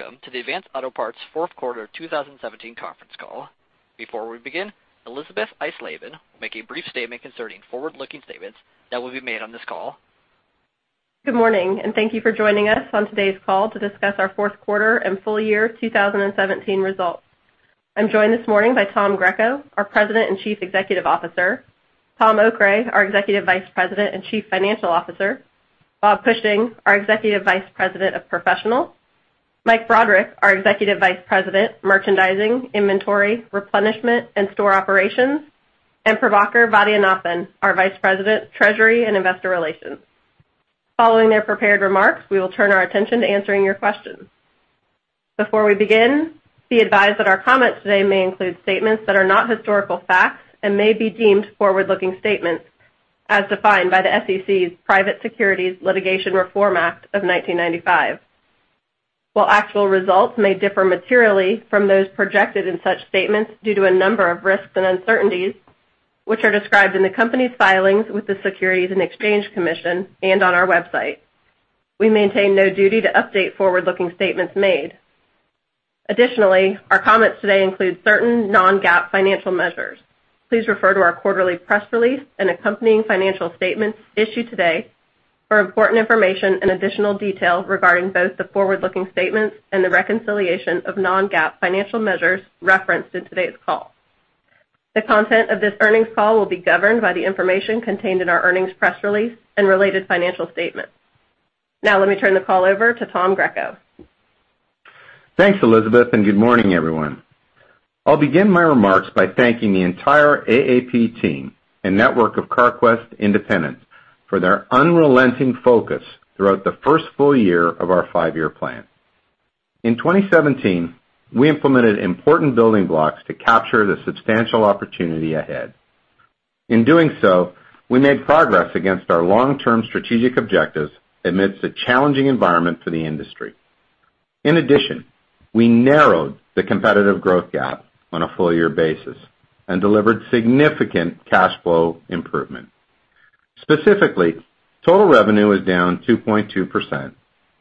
Welcome to the Advance Auto Parts fourth quarter 2017 conference call. Before we begin, Elisabeth Eisleben will make a brief statement concerning forward-looking statements that will be made on this call. Good morning, and thank you for joining us on today's call to discuss our fourth quarter and full year 2017 results. I'm joined this morning by Tom Greco, our President and Chief Executive Officer, Tom Okray, our Executive Vice President and Chief Financial Officer, Bob Cushing, our Executive Vice President of Professional, Mike Broderick, our Executive Vice President, Merchandising, Inventory, Replenishment, and Store Operations, and Prabhakar Vaidyanathan, our Vice President, Treasury and Investor Relations. Following their prepared remarks, we will turn our attention to answering your questions. Before we begin, be advised that our comments today may include statements that are not historical facts and may be deemed forward-looking statements as defined by the SEC's Private Securities Litigation Reform Act of 1995. While actual results may differ materially from those projected in such statements due to a number of risks and uncertainties, which are described in the company's filings with the Securities and Exchange Commission and on our website. We maintain no duty to update forward-looking statements made. Additionally, our comments today include certain non-GAAP financial measures. Please refer to our quarterly press release and accompanying financial statements issued today for important information and additional detail regarding both the forward-looking statements and the reconciliation of non-GAAP financial measures referenced in today's call. The content of this earnings call will be governed by the information contained in our earnings press release and related financial statements. Now let me turn the call over to Tom Greco. Thanks, Elisabeth, and good morning, everyone. I'll begin my remarks by thanking the entire AAP team and network of Carquest independents for their unrelenting focus throughout the first full year of our five-year plan. In 2017, we implemented important building blocks to capture the substantial opportunity ahead. In doing so, we made progress against our long-term strategic objectives amidst a challenging environment for the industry. In addition, we narrowed the competitive growth gap on a full year basis and delivered significant cash flow improvement. Specifically, total revenue was down 2.2%,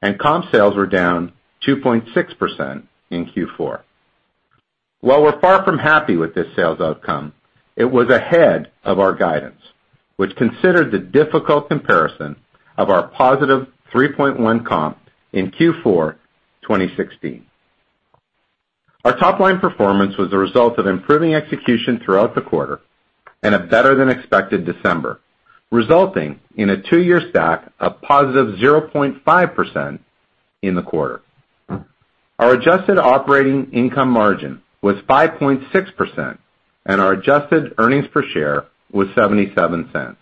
and comp sales were down 2.6% in Q4. While we're far from happy with this sales outcome, it was ahead of our guidance, which considered the difficult comparison of our positive 3.1% comp in Q4 2016. Our top-line performance was a result of improving execution throughout the quarter and a better-than-expected December, resulting in a two-year stack of positive 0.5% in the quarter. Our adjusted operating income margin was 5.6%, and our adjusted earnings per share was $0.77.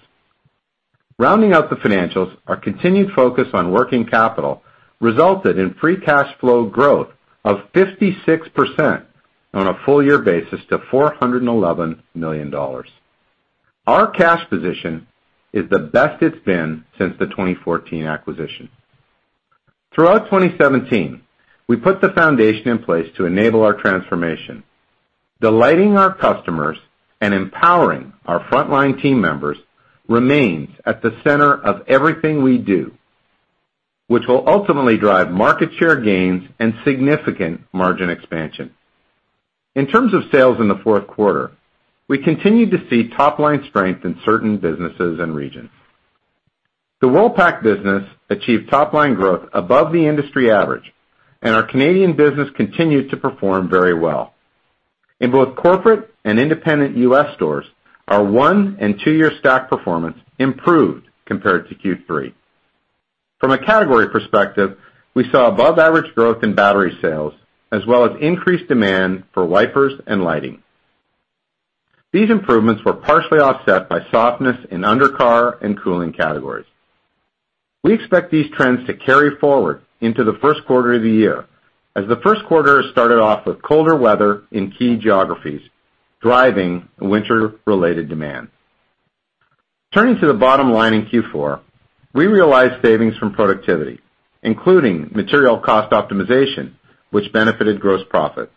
Rounding out the financials, our continued focus on working capital resulted in free cash flow growth of 56% on a full year basis to $411 million. Our cash position is the best it's been since the 2014 acquisition. Throughout 2017, we put the foundation in place to enable our transformation. Delighting our customers and empowering our frontline team members remains at the center of everything we do, which will ultimately drive market share gains and significant margin expansion. In terms of sales in the fourth quarter, we continued to see top-line strength in certain businesses and regions. The Worldpac business achieved top-line growth above the industry average, and our Canadian business continued to perform very well. In both corporate and independent U.S. stores, our one and two-year stack performance improved compared to Q3. From a category perspective, we saw above-average growth in battery sales, as well as increased demand for wipers and lighting. These improvements were partially offset by softness in under-car and cooling categories. We expect these trends to carry forward into the first quarter of the year, as the first quarter started off with colder weather in key geographies, driving winter-related demand. Turning to the bottom line in Q4, we realized savings from productivity, including material cost optimization, which benefited gross profit.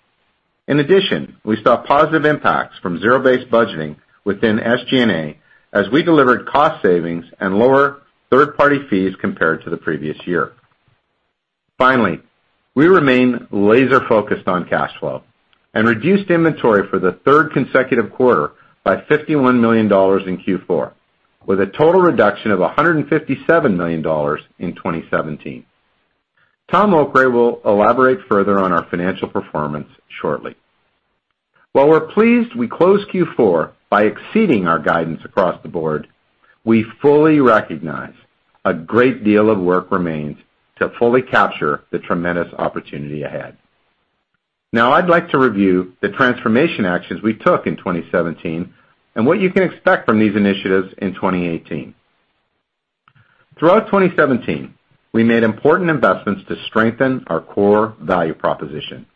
In addition, we saw positive impacts from zero-based budgeting within SG&A as we delivered cost savings and lower third-party fees compared to the previous year. Finally, we remain laser-focused on cash flow and reduced inventory for the third consecutive quarter by $51 million in Q4, with a total reduction of $157 million in 2017. Tom Okray will elaborate further on our financial performance shortly. While we're pleased we closed Q4 by exceeding our guidance across the board, we fully recognize a great deal of work remains to fully capture the tremendous opportunity ahead. Now I'd like to review the transformation actions we took in 2017 and what you can expect from these initiatives in 2018. Throughout 2017, we made important investments to strengthen our core value proposition.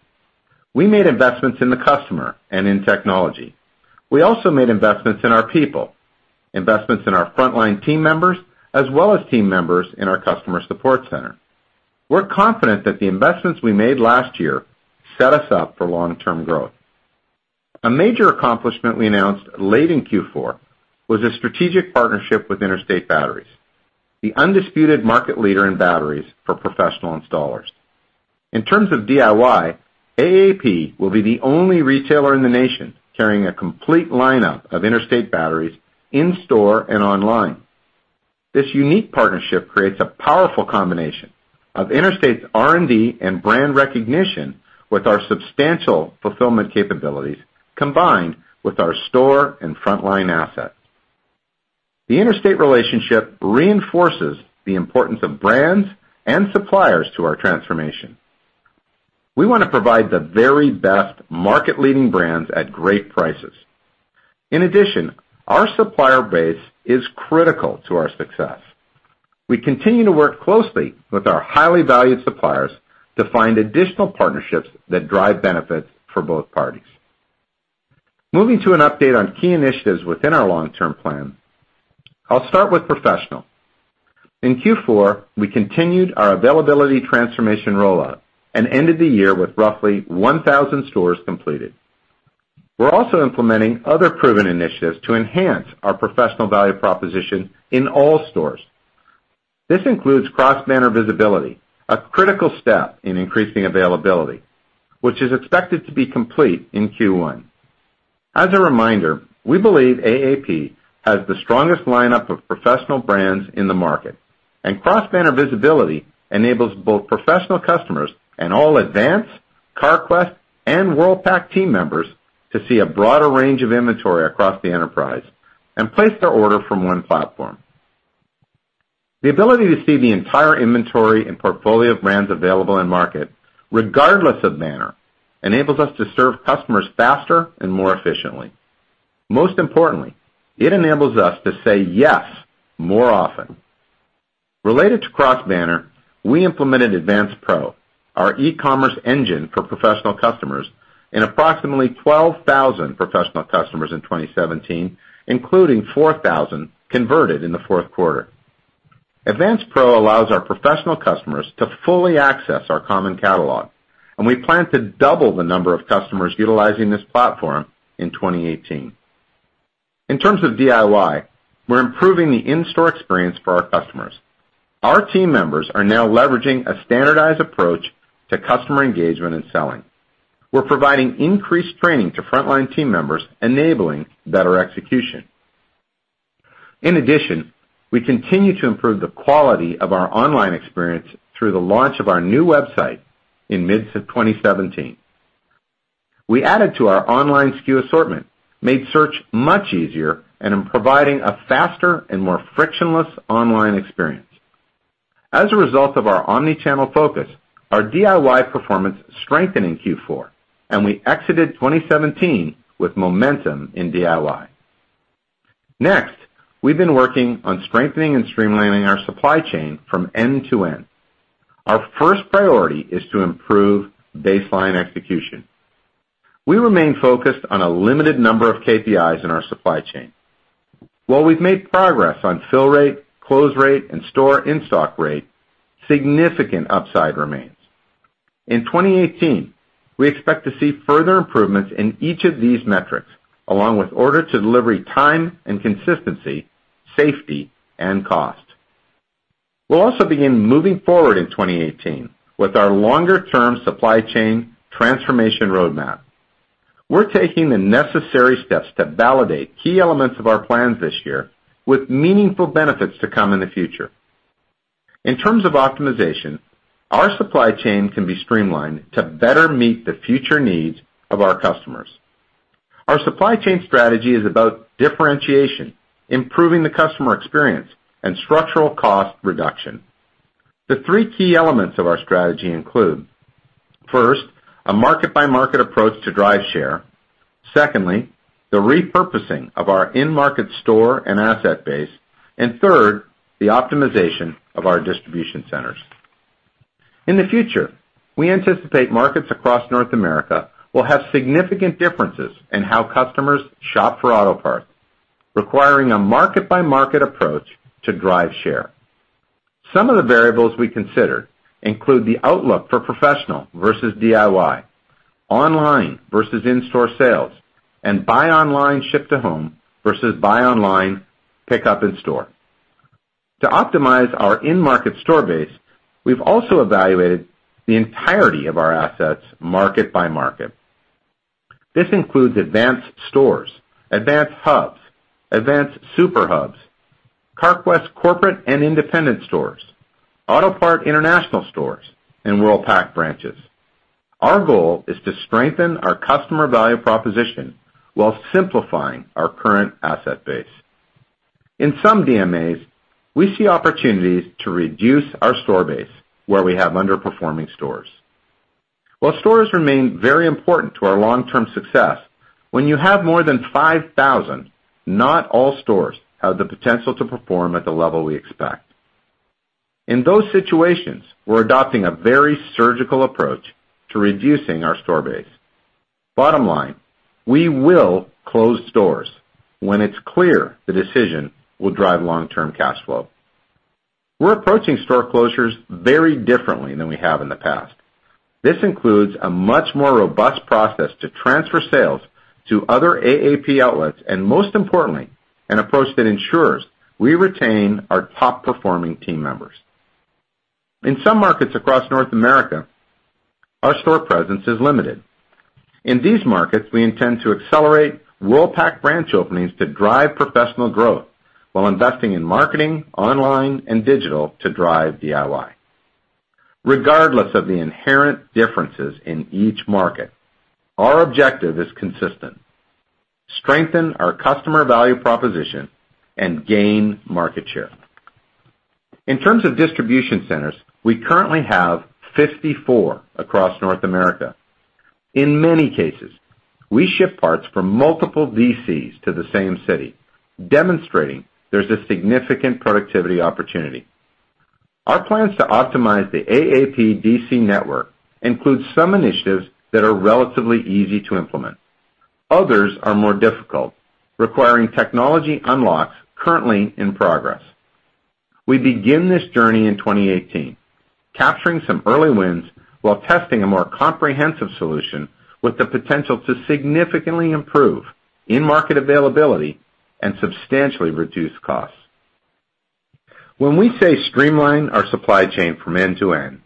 We made investments in the customer and in technology. We also made investments in our people, investments in our frontline team members, as well as team members in our customer support center. We're confident that the investments we made last year set us up for long-term growth. A major accomplishment we announced late in Q4 was a strategic partnership with Interstate Batteries, the undisputed market leader in batteries for professional installers. In terms of DIY, AAP will be the only retailer in the nation carrying a complete lineup of Interstate Batteries in-store and online. This unique partnership creates a powerful combination of Interstate's R&D and brand recognition with our substantial fulfillment capabilities, combined with our store and frontline assets. The Interstate relationship reinforces the importance of brands and suppliers to our transformation. We want to provide the very best market-leading brands at great prices. In addition, our supplier base is critical to our success. We continue to work closely with our highly valued suppliers to find additional partnerships that drive benefits for both parties. Moving to an update on key initiatives within our long-term plan, I'll start with professional. In Q4, we continued our availability transformation rollout and ended the year with roughly 1,000 stores completed. We're also implementing other proven initiatives to enhance our professional value proposition in all stores. This includes cross-banner visibility, a critical step in increasing availability, which is expected to be complete in Q1. As a reminder, we believe AAP has the strongest lineup of professional brands in the market, and cross-banner visibility enables both professional customers and all Advance, Carquest, and Worldpac team members to see a broader range of inventory across the enterprise and place their order from one platform. The ability to see the entire inventory and portfolio of brands available in market, regardless of banner, enables us to serve customers faster and more efficiently. Most importantly, it enables us to say yes more often. Related to cross-banner, we implemented AdvancePro, our e-commerce engine for professional customers, and approximately 12,000 professional customers in 2017, including 4,000 converted in the fourth quarter. AdvancePro allows our professional customers to fully access our common catalog, and we plan to double the number of customers utilizing this platform in 2018. In terms of DIY, we're improving the in-store experience for our customers. Our team members are now leveraging a standardized approach to customer engagement and selling. We're providing increased training to frontline team members, enabling better execution. In addition, we continue to improve the quality of our online experience through the launch of our new website in mid of 2017. We added to our online SKU assortment, made search much easier, and are providing a faster and more frictionless online experience. As a result of our omni-channel focus, our DIY performance strengthened in Q4, and we exited 2017 with momentum in DIY. Next, we've been working on strengthening and streamlining our supply chain from end to end. Our first priority is to improve baseline execution. We remain focused on a limited number of KPIs in our supply chain. While we've made progress on fill rate, close rate, and store in-stock rate, significant upside remains. In 2018, we expect to see further improvements in each of these metrics, along with order to delivery time and consistency, safety, and cost. We'll also begin moving forward in 2018 with our longer-term supply chain transformation roadmap. We're taking the necessary steps to validate key elements of our plans this year with meaningful benefits to come in the future. In terms of optimization, our supply chain can be streamlined to better meet the future needs of our customers. Our supply chain strategy is about differentiation, improving the customer experience, and structural cost reduction. The three key elements of our strategy include, first, a market-by-market approach to drive share. Secondly, the repurposing of our in-market store and asset base. Third, the optimization of our distribution centers. In the future, we anticipate markets across North America will have significant differences in how customers shop for auto parts, requiring a market-by-market approach to drive share. Some of the variables we consider include the outlook for professional versus DIY, online versus in-store sales, and buy online, ship to home versus buy online, pick up in store. To optimize our in-market store base, we've also evaluated the entirety of our assets market by market. This includes Advance stores, Advance hubs, Advance super hubs, Carquest corporate and independent stores, Autopart International stores, and Worldpac branches. Our goal is to strengthen our customer value proposition while simplifying our current asset base. In some DMAs, we see opportunities to reduce our store base where we have underperforming stores. While stores remain very important to our long-term success, when you have more than 5,000, not all stores have the potential to perform at the level we expect. In those situations, we're adopting a very surgical approach to reducing our store base. Bottom line, we will close stores when it's clear the decision will drive long-term cash flow. We're approaching store closures very differently than we have in the past. This includes a much more robust process to transfer sales to other AAP outlets, and most importantly, an approach that ensures we retain our top-performing team members. In some markets across North America, our store presence is limited. In these markets, we intend to accelerate Worldpac branch openings to drive professional growth while investing in marketing, online, and digital to drive DIY. Regardless of the inherent differences in each market, our objective is consistent: strengthen our customer value proposition and gain market share. In terms of distribution centers, we currently have 54 across North America. In many cases, we ship parts from multiple DCs to the same city, demonstrating there's a significant productivity opportunity. Our plans to optimize the AAP DC network include some initiatives that are relatively easy to implement. Others are more difficult, requiring technology unlocks currently in progress. We begin this journey in 2018, capturing some early wins while testing a more comprehensive solution with the potential to significantly improve in-market availability and substantially reduce costs. When we say streamline our supply chain from end to end,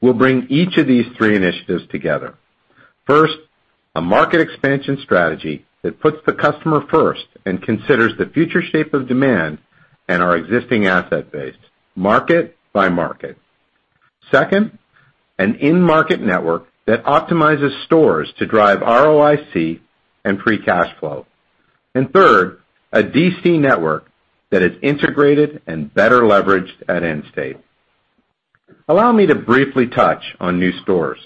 we'll bring each of these three initiatives together. First, a market expansion strategy that puts the customer first and considers the future shape of demand and our existing asset base, market by market. Second, an in-market network that optimizes stores to drive ROIC and free cash flow. Third, a DC network that is integrated and better leveraged at end state. Allow me to briefly touch on new stores.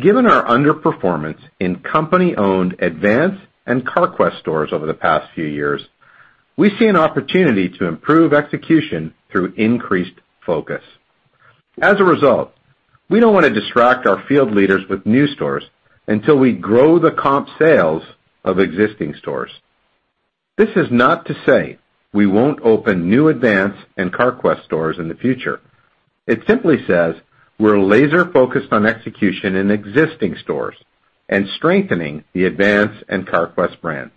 Given our underperformance in company-owned Advance and Carquest stores over the past few years, we see an opportunity to improve execution through increased focus. As a result, we don't want to distract our field leaders with new stores until we grow the comp sales of existing stores. This is not to say we won't open new Advance and Carquest stores in the future. It simply says we're laser-focused on execution in existing stores and strengthening the Advance and Carquest brands.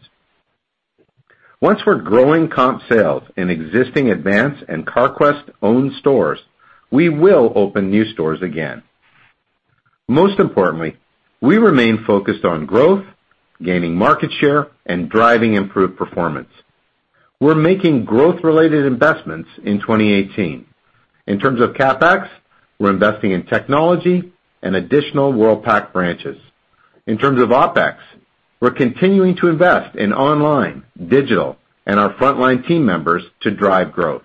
Once we're growing comp sales in existing Advance and Carquest-owned stores, we will open new stores again. Most importantly, we remain focused on growth, gaining market share, and driving improved performance. We're making growth-related investments in 2018. In terms of CapEx, we're investing in technology and additional Worldpac branches. In terms of OpEx, we're continuing to invest in online, digital, and our frontline team members to drive growth.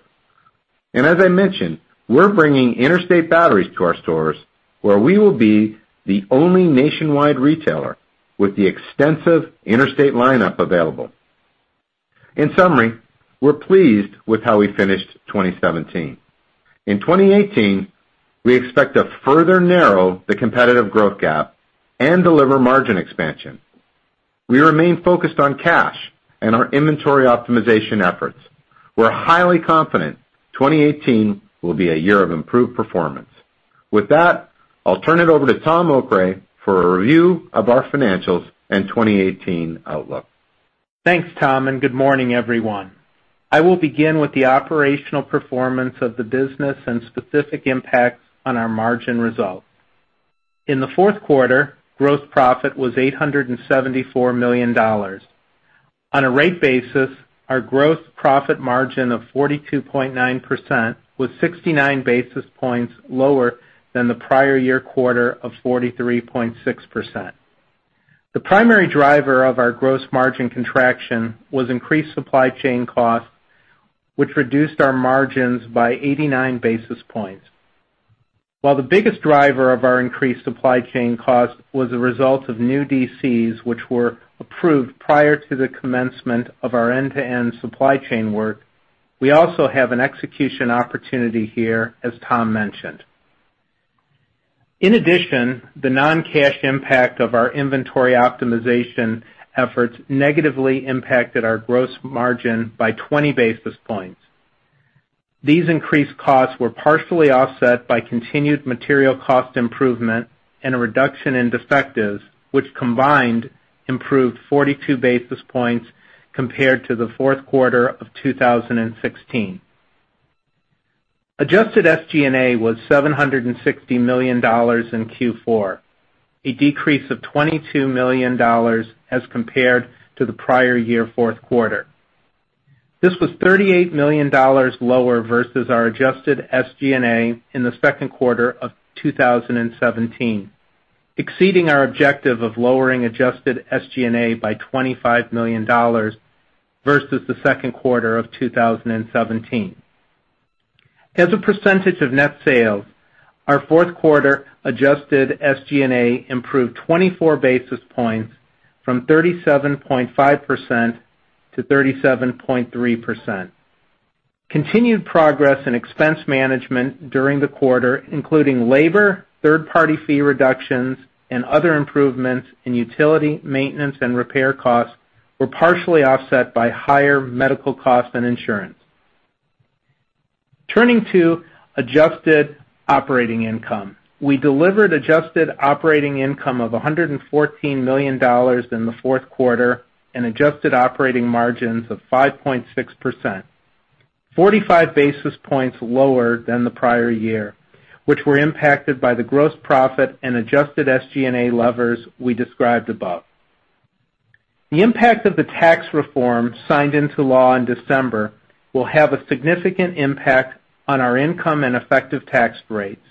As I mentioned, we're bringing Interstate Batteries to our stores, where we will be the only nationwide retailer with the extensive Interstate lineup available. In summary, we're pleased with how we finished 2017. In 2018, we expect to further narrow the competitive growth gap and deliver margin expansion. We remain focused on cash and our inventory optimization efforts. We're highly confident 2018 will be a year of improved performance. With that, I'll turn it over to Tom Okray for a review of our financials and 2018 outlook. Thanks, Tom, and good morning, everyone. I will begin with the operational performance of the business and specific impacts on our margin results. In the fourth quarter, gross profit was $874 million. On a rate basis, our gross profit margin of 42.9% was 69 basis points lower than the prior year quarter of 43.6%. The primary driver of our gross margin contraction was increased supply chain costs, which reduced our margins by 89 basis points. While the biggest driver of our increased supply chain cost was the result of new DCs, which were approved prior to the commencement of our end-to-end supply chain work, we also have an execution opportunity here, as Tom mentioned. In addition, the non-cash impact of our inventory optimization efforts negatively impacted our gross margin by 20 basis points. These increased costs were partially offset by continued material cost improvement and a reduction in defectives, which combined improved 42 basis points compared to the fourth quarter of 2016. Adjusted SG&A was $760 million in Q4, a decrease of $22 million as compared to the prior year fourth quarter. This was $38 million lower versus our adjusted SG&A in the second quarter of 2017, exceeding our objective of lowering adjusted SG&A by $25 million versus the second quarter of 2017. As a percentage of net sales, our fourth quarter adjusted SG&A improved 24 basis points from 37.5% to 37.3%. Continued progress in expense management during the quarter, including labor, third-party fee reductions, and other improvements in utility, maintenance, and repair costs were partially offset by higher medical costs and insurance. Turning to adjusted operating income. We delivered adjusted operating income of $114 million in the fourth quarter and adjusted operating margins of 5.6%, 45 basis points lower than the prior year, which were impacted by the gross profit and adjusted SG&A levers we described above. The impact of the tax reform signed into law in December will have a significant impact on our income and effective tax rates.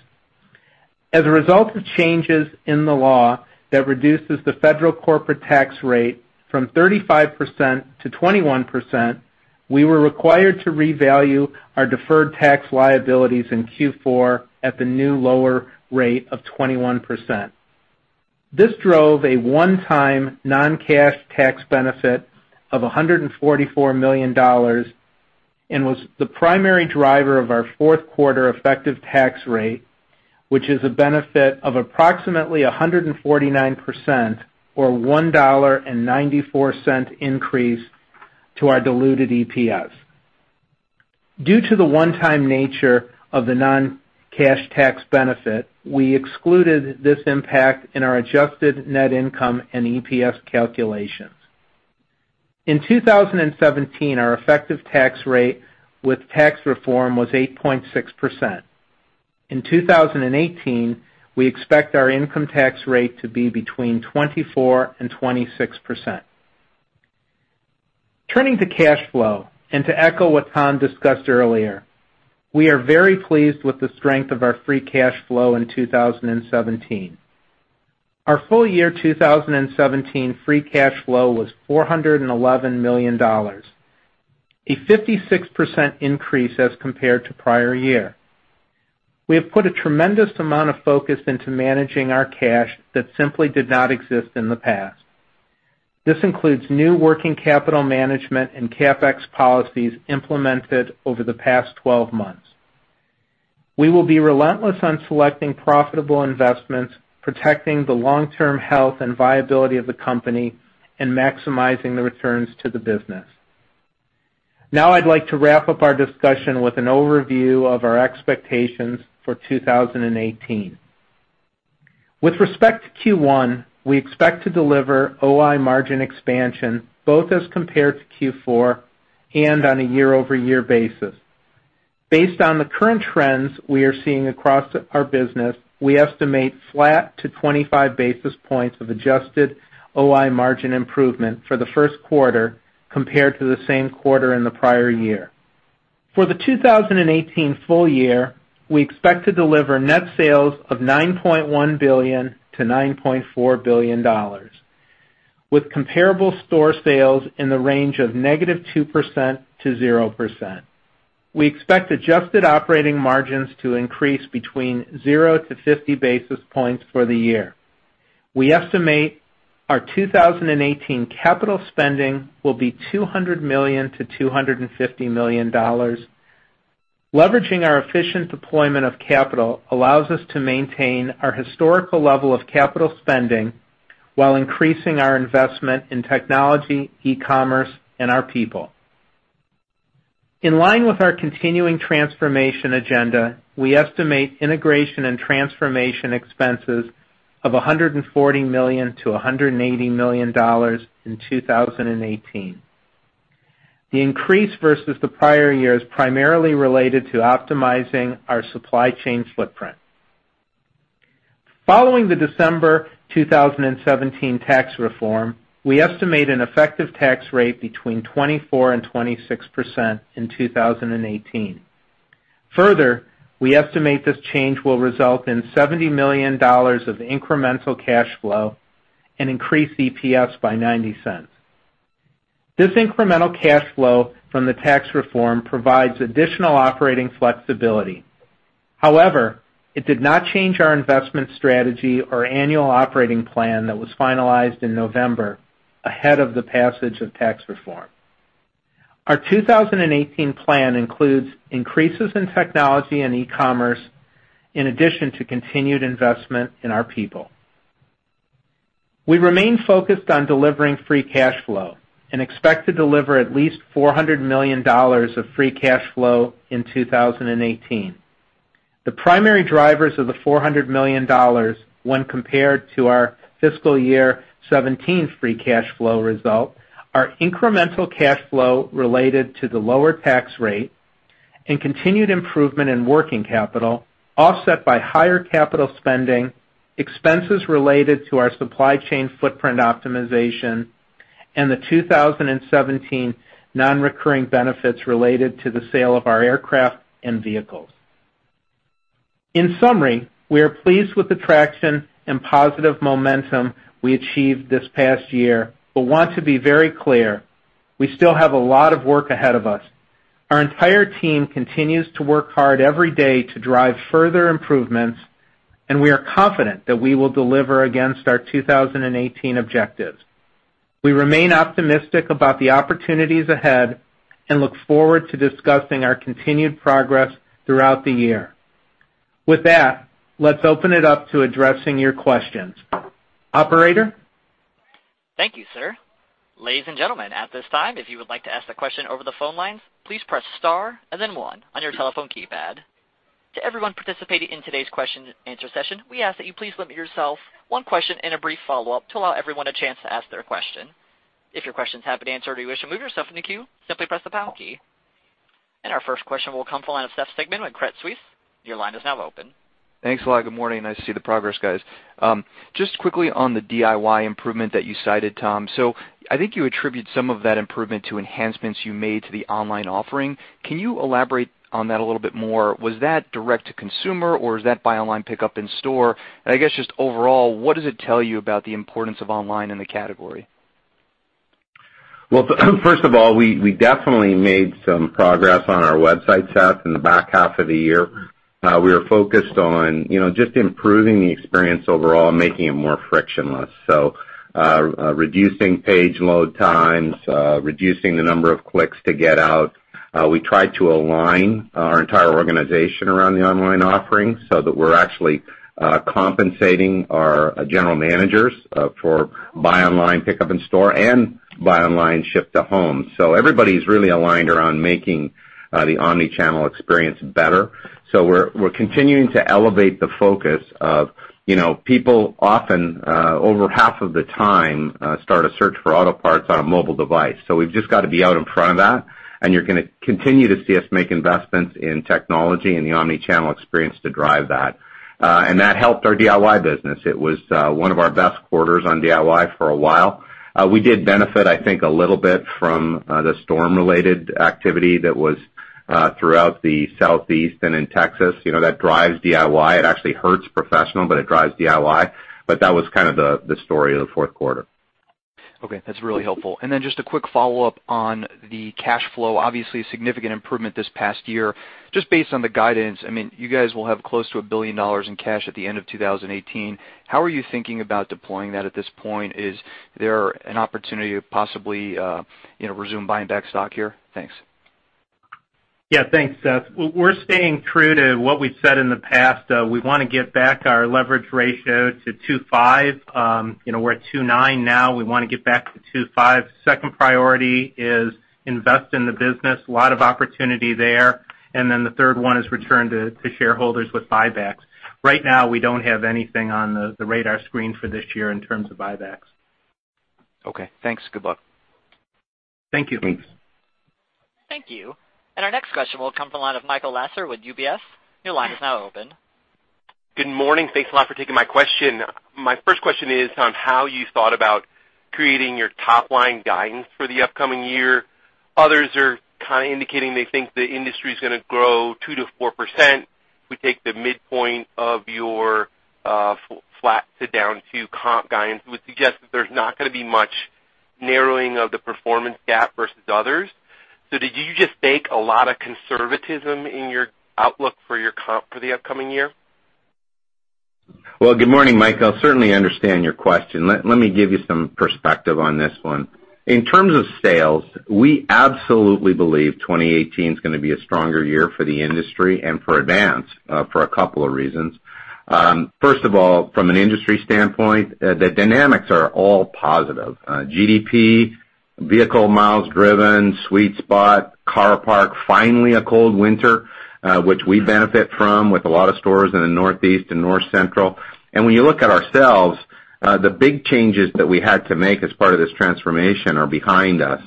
As a result of changes in the law that reduces the federal corporate tax rate from 35% to 21%, we were required to revalue our deferred tax liabilities in Q4 at the new lower rate of 21%. This drove a one-time non-cash tax benefit of $144 million and was the primary driver of our fourth quarter effective tax rate, which is a benefit of approximately 149%, or $1.94 increase to our diluted EPS. Due to the one-time nature of the non-cash tax benefit, we excluded this impact in our adjusted net income and EPS calculations. In 2017, our effective tax rate with tax reform was 8.6%. In 2018, we expect our income tax rate to be between 24% and 26%. Turning to cash flow, and to echo what Tom discussed earlier, we are very pleased with the strength of our free cash flow in 2017. Our full year 2017 free cash flow was $411 million, a 56% increase as compared to prior year. We have put a tremendous amount of focus into managing our cash that simply did not exist in the past. This includes new working capital management and CapEx policies implemented over the past 12 months. We will be relentless on selecting profitable investments, protecting the long-term health and viability of the company, and maximizing the returns to the business. Now I'd like to wrap up our discussion with an overview of our expectations for 2018. With respect to Q1, we expect to deliver OI margin expansion both as compared to Q4 and on a year-over-year basis. Based on the current trends we are seeing across our business, we estimate flat to 25 basis points of adjusted OI margin improvement for the first quarter, compared to the same quarter in the prior year. For the 2018 full year, we expect to deliver net sales of $9.1 billion to $9.4 billion, with comparable store sales in the range of -2% to 0%. We expect adjusted operating margins to increase between zero to 50 basis points for the year. We estimate our 2018 capital spending will be $200 million to $250 million. Leveraging our efficient deployment of capital allows us to maintain our historical level of capital spending while increasing our investment in technology, e-commerce, and our people. In line with our continuing transformation agenda, we estimate integration and transformation expenses of $140 million to $180 million in 2018. The increase versus the prior year is primarily related to optimizing our supply chain footprint. Following the December 2017 tax reform, we estimate an effective tax rate between 24% and 26% in 2018. Further, we estimate this change will result in $70 million of incremental cash flow and increase EPS by $0.90. This incremental cash flow from the tax reform provides additional operating flexibility. However, it did not change our investment strategy or annual operating plan that was finalized in November ahead of the passage of tax reform. Our 2018 plan includes increases in technology and e-commerce in addition to continued investment in our people. We remain focused on delivering free cash flow and expect to deliver at least $400 million of free cash flow in 2018. The primary drivers of the $400 million when compared to our fiscal year 2017 free cash flow result are incremental cash flow related to the lower tax rate and continued improvement in working capital, offset by higher capital spending, expenses related to our supply chain footprint optimization, and the 2017 non-recurring benefits related to the sale of our aircraft and vehicles. In summary, we are pleased with the traction and positive momentum we achieved this past year, but want to be very clear, we still have a lot of work ahead of us. Our entire team continues to work hard every day to drive further improvements, we are confident that we will deliver against our 2018 objectives. We remain optimistic about the opportunities ahead and look forward to discussing our continued progress throughout the year. With that, let's open it up to addressing your questions. Operator? Thank you, sir. Ladies and gentlemen, at this time, if you would like to ask a question over the phone lines, please press star and then one on your telephone keypad. To everyone participating in today's question answer session, we ask that you please limit yourself one question and a brief follow-up to allow everyone a chance to ask their question. If your questions have been answered, or you wish to move yourself in the queue, simply press the pound key. Our first question will come from the line of Seth Sigman with Credit Suisse. Your line is now open. Thanks a lot. Good morning. Nice to see the progress, guys. Just quickly on the DIY improvement that you cited, Tom. I think you attribute some of that improvement to enhancements you made to the online offering. Can you elaborate on that a little bit more? Was that direct to consumer, or is that buy online pickup in store? I guess just overall, what does it tell you about the importance of online in the category? Well, first of all, we definitely made some progress on our website, Seth, in the back half of the year. We were focused on just improving the experience overall and making it more frictionless. Reducing page load times, reducing the number of clicks to get out. We tried to align our entire organization around the online offering so that we're actually compensating our general managers, for buy online pickup in store and buy online ship to home. Everybody's really aligned around making the omni-channel experience better. We're continuing to elevate the focus of people often, over half of the time, start a search for auto parts on a mobile device. We've just got to be out in front of that, and you're going to continue to see us make investments in technology and the omni-channel experience to drive that. That helped our DIY business. It was one of our best quarters on DIY for a while. We did benefit, I think, a little bit from the storm-related activity that was throughout the Southeast and in Texas. That drives DIY. It actually hurts professional, but it drives DIY. That was kind of the story of the fourth quarter. Okay. That's really helpful. Just a quick follow-up on the cash flow. Obviously, a significant improvement this past year. Just based on the guidance, you guys will have close to $1 billion in cash at the end of 2018. How are you thinking about deploying that at this point? Is there an opportunity to possibly resume buying back stock here? Thanks. Yeah, thanks, Seth. We're staying true to what we've said in the past. We want to get back our leverage ratio to 2.5. We're at 2.9 now. We want to get back to 2.5. Second priority is invest in the business. A lot of opportunity there. Then the third one is return to shareholders with buybacks. Right now, we don't have anything on the radar screen for this year in terms of buybacks. Okay, thanks. Good luck. Thank you. Thank you. Our next question will come from the line of Michael Lasser with UBS. Your line is now open. Good morning. Thanks a lot for taking my question. My first question is on how you thought about creating your top-line guidance for the upcoming year. Others are kind of indicating they think the industry's going to grow 2%-4%. If we take the midpoint of your flat to down two comp guidance, it would suggest that there's not going to be much narrowing of the performance gap versus others. Did you just bake a lot of conservatism in your outlook for your comp for the upcoming year? Well, good morning, Mike. I certainly understand your question. Let me give you some perspective on this one. In terms of sales, we absolutely believe 2018's going to be a stronger year for the industry and for Advance, for a couple of reasons. First of all, from an industry standpoint, the dynamics are all positive. GDP, vehicle miles driven, sweet spot, car park, finally a cold winter, which we benefit from with a lot of stores in the Northeast and North Central. When you look at ourselves, the big changes that we had to make as part of this transformation are behind us.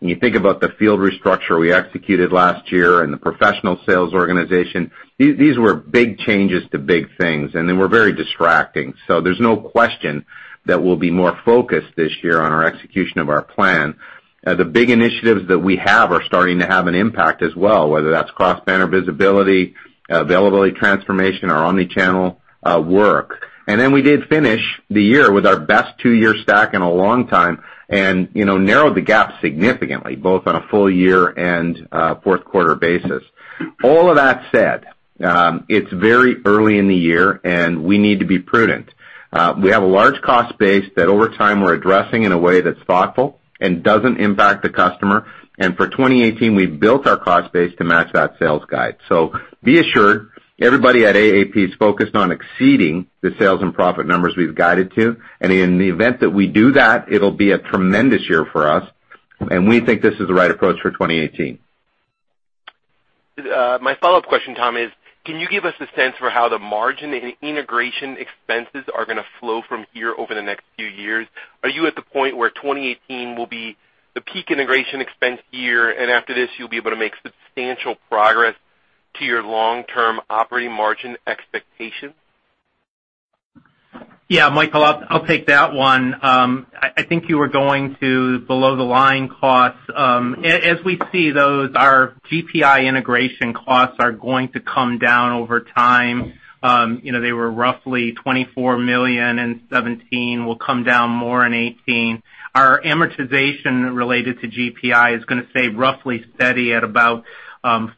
When you think about the field restructure we executed last year and the professional sales organization, these were big changes to big things, and they were very distracting. There's no question that we'll be more focused this year on our execution of our plan. The big initiatives that we have are starting to have an impact as well, whether that's cross-banner visibility, availability transformation, or omni-channel work. We did finish the year with our best two-year stack in a long time and narrowed the gap significantly, both on a full year and fourth quarter basis. All of that said, it's very early in the year, and we need to be prudent. We have a large cost base that over time we're addressing in a way that's thoughtful and doesn't impact the customer. For 2018, we've built our cost base to match that sales guide. Be assured everybody at AAP is focused on exceeding the sales and profit numbers we've guided to. In the event that we do that, it'll be a tremendous year for us, and we think this is the right approach for 2018. My follow-up question, Tom, is can you give us a sense for how the margin and integration expenses are going to flow from here over the next few years? Are you at the point where 2018 will be the peak integration expense year, and after this, you'll be able to make substantial progress to your long-term operating margin expectations? Yeah, Michael, I'll take that one. I think you were going to below the line costs. As we see those, our GPI integration costs are going to come down over time. They were roughly $24 million in 2017, will come down more in 2018. Our amortization related to GPI is going to stay roughly steady at about $40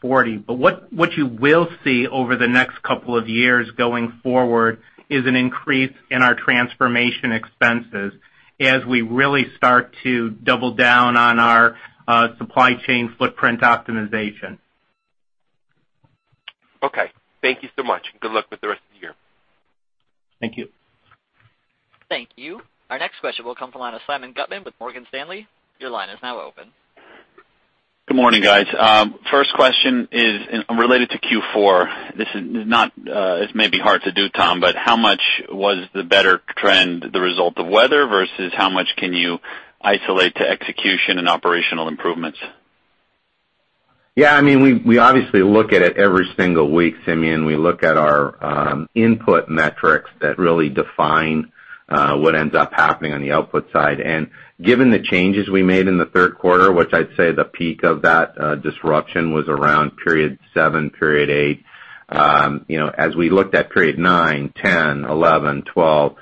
million. What you will see over the next couple of years going forward is an increase in our transformation expenses as we really start to double down on our supply chain footprint optimization. Thank you so much. Good luck with the rest of the year. Thank you. Thank you. Our next question will come from the line of Simeon Gutman with Morgan Stanley. Your line is now open. Good morning, guys. First question is related to Q4. This may be hard to do, Tom, how much was the better trend the result of weather versus how much can you isolate to execution and operational improvements? Yeah, we obviously look at it every single week, Simeon. We look at our input metrics that really define what ends up happening on the output side. Given the changes we made in the third quarter, which I'd say the peak of that disruption was around period seven, period eight. As we looked at period nine, 10, 11, 12,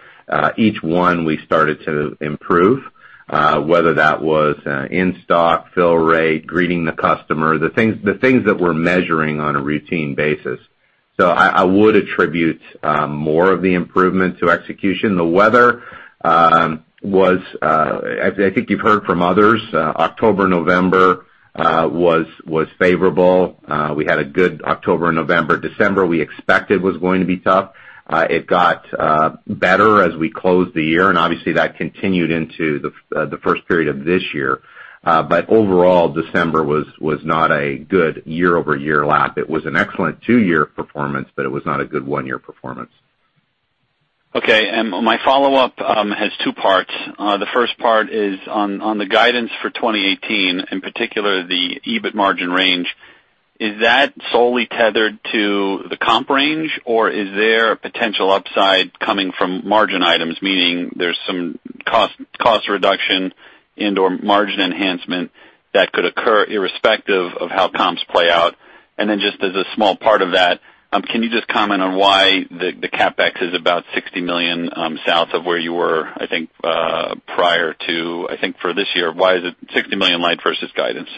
each one we started to improve, whether that was in-stock fill rate, greeting the customer, the things that we're measuring on a routine basis. I would attribute more of the improvement to execution. The weather was, I think you've heard from others, October, November, was favorable. We had a good October, November. December, we expected was going to be tough. It got better as we closed the year, and obviously that continued into the first period of this year. Overall, December was not a good year-over-year lap. It was an excellent 2-year performance, but it was not a good 1-year performance. My follow-up has two parts. The first part is on the guidance for 2018, in particular, the EBIT margin range. Is that solely tethered to the comp range, or is there a potential upside coming from margin items, meaning there's some cost reduction and/or margin enhancement that could occur irrespective of how comps play out? Then just as a small part of that, can you just comment on why the CapEx is about $60 million south of where you were, I think, prior to, I think for this year, why is it $60 million light versus guidance?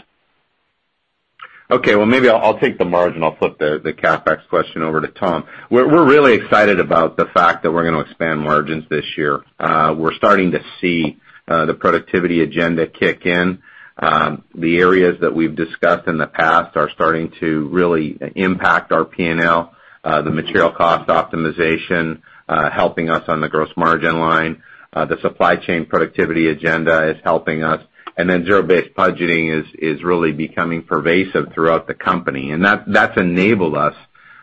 Okay. Well, maybe I'll take the margin. I'll flip the CapEx question over to Tom. We're really excited about the fact that we're going to expand margins this year. We're starting to see the productivity agenda kick in. The areas that we've discussed in the past are starting to really impact our P&L, the material cost optimization, helping us on the gross margin line. The supply chain productivity agenda is helping us. Zero-based budgeting is really becoming pervasive throughout the company. That's enabled us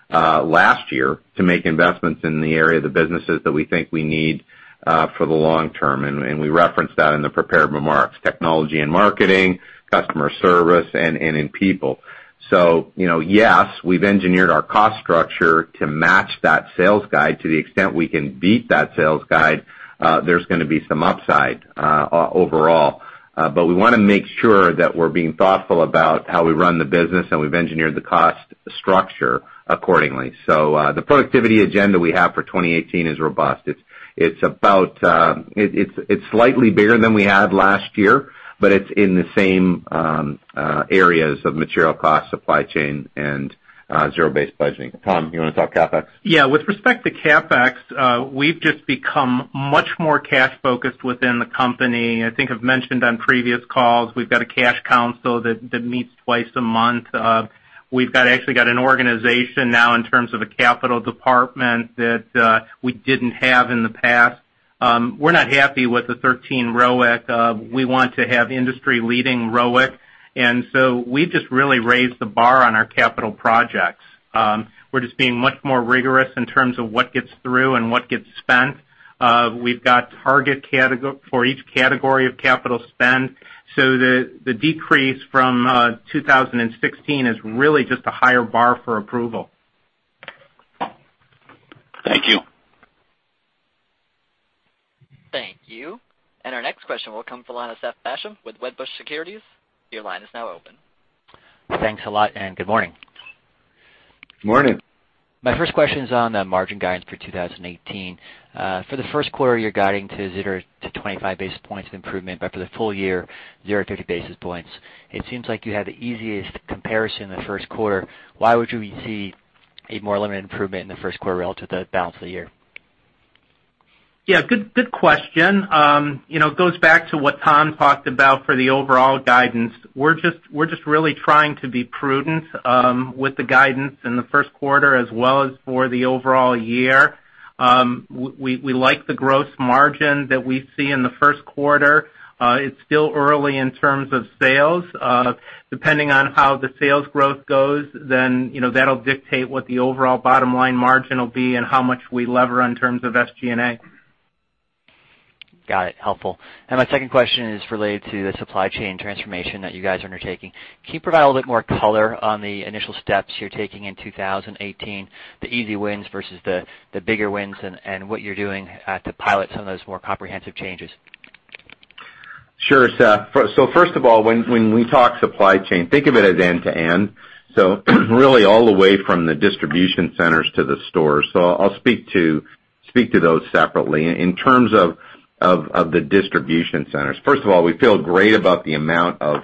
last year to make investments in the area of the businesses that we think we need for the long term, and we referenced that in the prepared remarks, technology and marketing, customer service, and in people. Yes, we've engineered our cost structure to match that sales guide. To the extent we can beat that sales guide, there's going to be some upside overall. We want to make sure that we're being thoughtful about how we run the business, and we've engineered the cost structure accordingly. The productivity agenda we have for 2018 is robust. It's slightly bigger than we had last year, but it's in the same areas of material cost, supply chain, and zero-based budgeting. Tom, you want to talk CapEx? Yeah. With respect to CapEx, we've just become much more cash-focused within the company. I think I've mentioned on previous calls, we've got a cash council that meets twice a month. We've actually got an organization now in terms of a capital department that we didn't have in the past. We're not happy with the 13 ROIC. We want to have industry-leading ROIC. We've just really raised the bar on our capital projects. We're just being much more rigorous in terms of what gets through and what gets spent. We've got target for each category of capital spend. The decrease from 2016 is really just a higher bar for approval. Thank you. Thank you. Our next question will come from the line of Seth Basham with Wedbush Securities. Your line is now open. Thanks a lot, and good morning. Morning. My first question is on the margin guidance for 2018. For the first quarter, you're guiding to 0-25 basis points of improvement, but for the full year, 0-50 basis points. It seems like you had the easiest comparison in the first quarter. Why would we see a more limited improvement in the first quarter relative to the balance of the year? Yeah. Good question. It goes back to what Tom talked about for the overall guidance. We're just really trying to be prudent with the guidance in the first quarter as well as for the overall year. We like the gross margin that we see in the first quarter. It's still early in terms of sales. Depending on how the sales growth goes, that'll dictate what the overall bottom-line margin will be and how much we lever in terms of SG&A. Got it. Helpful. My second question is related to the supply chain transformation that you guys are undertaking. Can you provide a little bit more color on the initial steps you're taking in 2018, the easy wins versus the bigger wins and what you're doing to pilot some of those more comprehensive changes? Sure, Seth. First of all, when we talk supply chain, think of it as end to end, really all the way from the distribution centers to the store. I'll speak to those separately. In terms of the distribution centers, first of all, we feel great about the amount of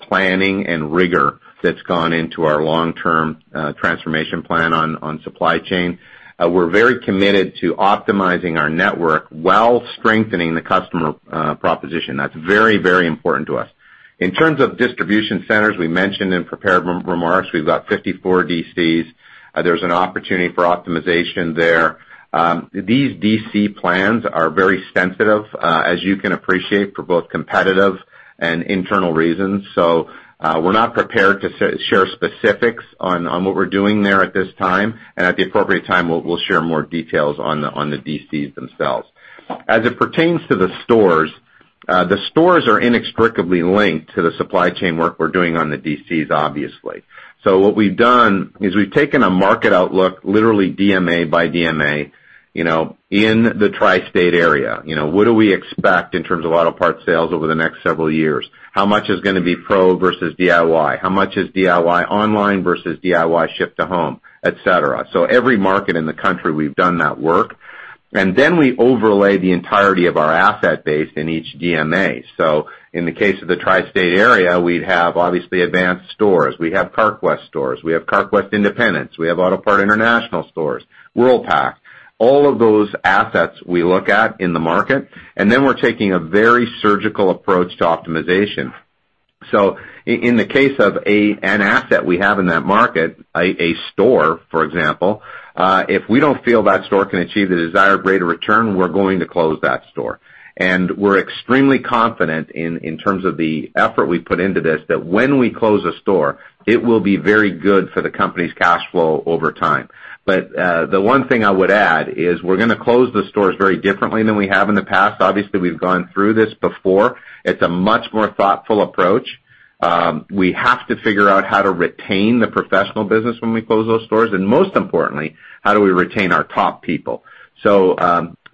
planning and rigor that's gone into our long-term transformation plan on supply chain. We're very committed to optimizing our network while strengthening the customer proposition. That's very important to us. In terms of distribution centers, we mentioned in prepared remarks, we've got 54 DCs. There's an opportunity for optimization there. These DC plans are very sensitive, as you can appreciate, for both competitive and internal reasons. We're not prepared to share specifics on what we're doing there at this time. At the appropriate time, we'll share more details on the DCs themselves. As it pertains to the stores, the stores are inextricably linked to the supply chain work we're doing on the DCs, obviously. What we've done is we've taken a market outlook, literally DMA by DMA in the tri-state area. What do we expect in terms of auto part sales over the next several years? How much is going to be pro versus DIY? How much is DIY online versus DIY ship to home, et cetera? Every market in the country, we've done that work. We overlay the entirety of our asset base in each DMA. In the case of the tri-state area, we'd have, obviously, Advance stores. We have Carquest stores. We have Carquest independents. We have Autopart International stores, Worldpac. All of those assets we look at in the market, and then we're taking a very surgical approach to optimization. In the case of an asset we have in that market, a store, for example, if we don't feel that store can achieve the desired rate of return, we're going to close that store. We're extremely confident in terms of the effort we put into this, that when we close a store, it will be very good for the company's cash flow over time. The one thing I would add is we're going to close the stores very differently than we have in the past. Obviously, we've gone through this before. It's a much more thoughtful approach. We have to figure out how to retain the professional business when we close those stores, and most importantly, how do we retain our top people.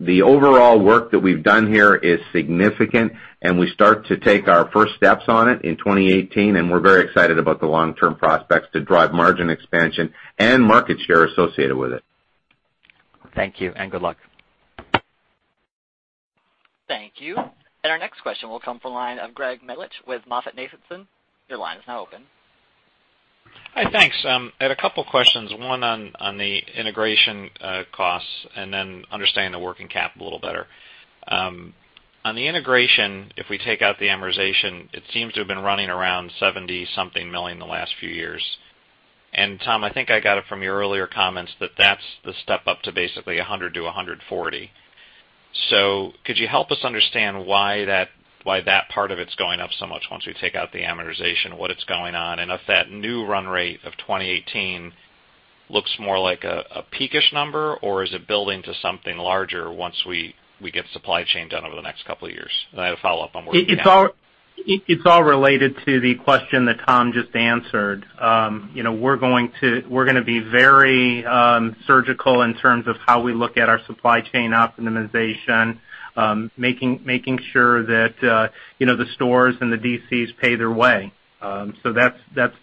The overall work that we've done here is significant, and we start to take our first steps on it in 2018, and we're very excited about the long-term prospects to drive margin expansion and market share associated with it. Thank you, and good luck. Thank you. Our next question will come from the line of Greg Melich with MoffettNathanson. Your line is now open. Hi, thanks. I had a couple questions, one on the integration costs and then understand the working capital a little better. On the integration, if we take out the amortization, it seems to have been running around $70 something million the last few years. Tom, I think I got it from your earlier comments that that's the step up to basically $100 million-$140 million. Could you help us understand why that part of it's going up so much once we take out the amortization, what is going on? I have a follow-up on working capital. It's all related to the question that Tom just answered. We're going to be very surgical in terms of how we look at our supply chain optimization, making sure that the stores and the DCs pay their way. That's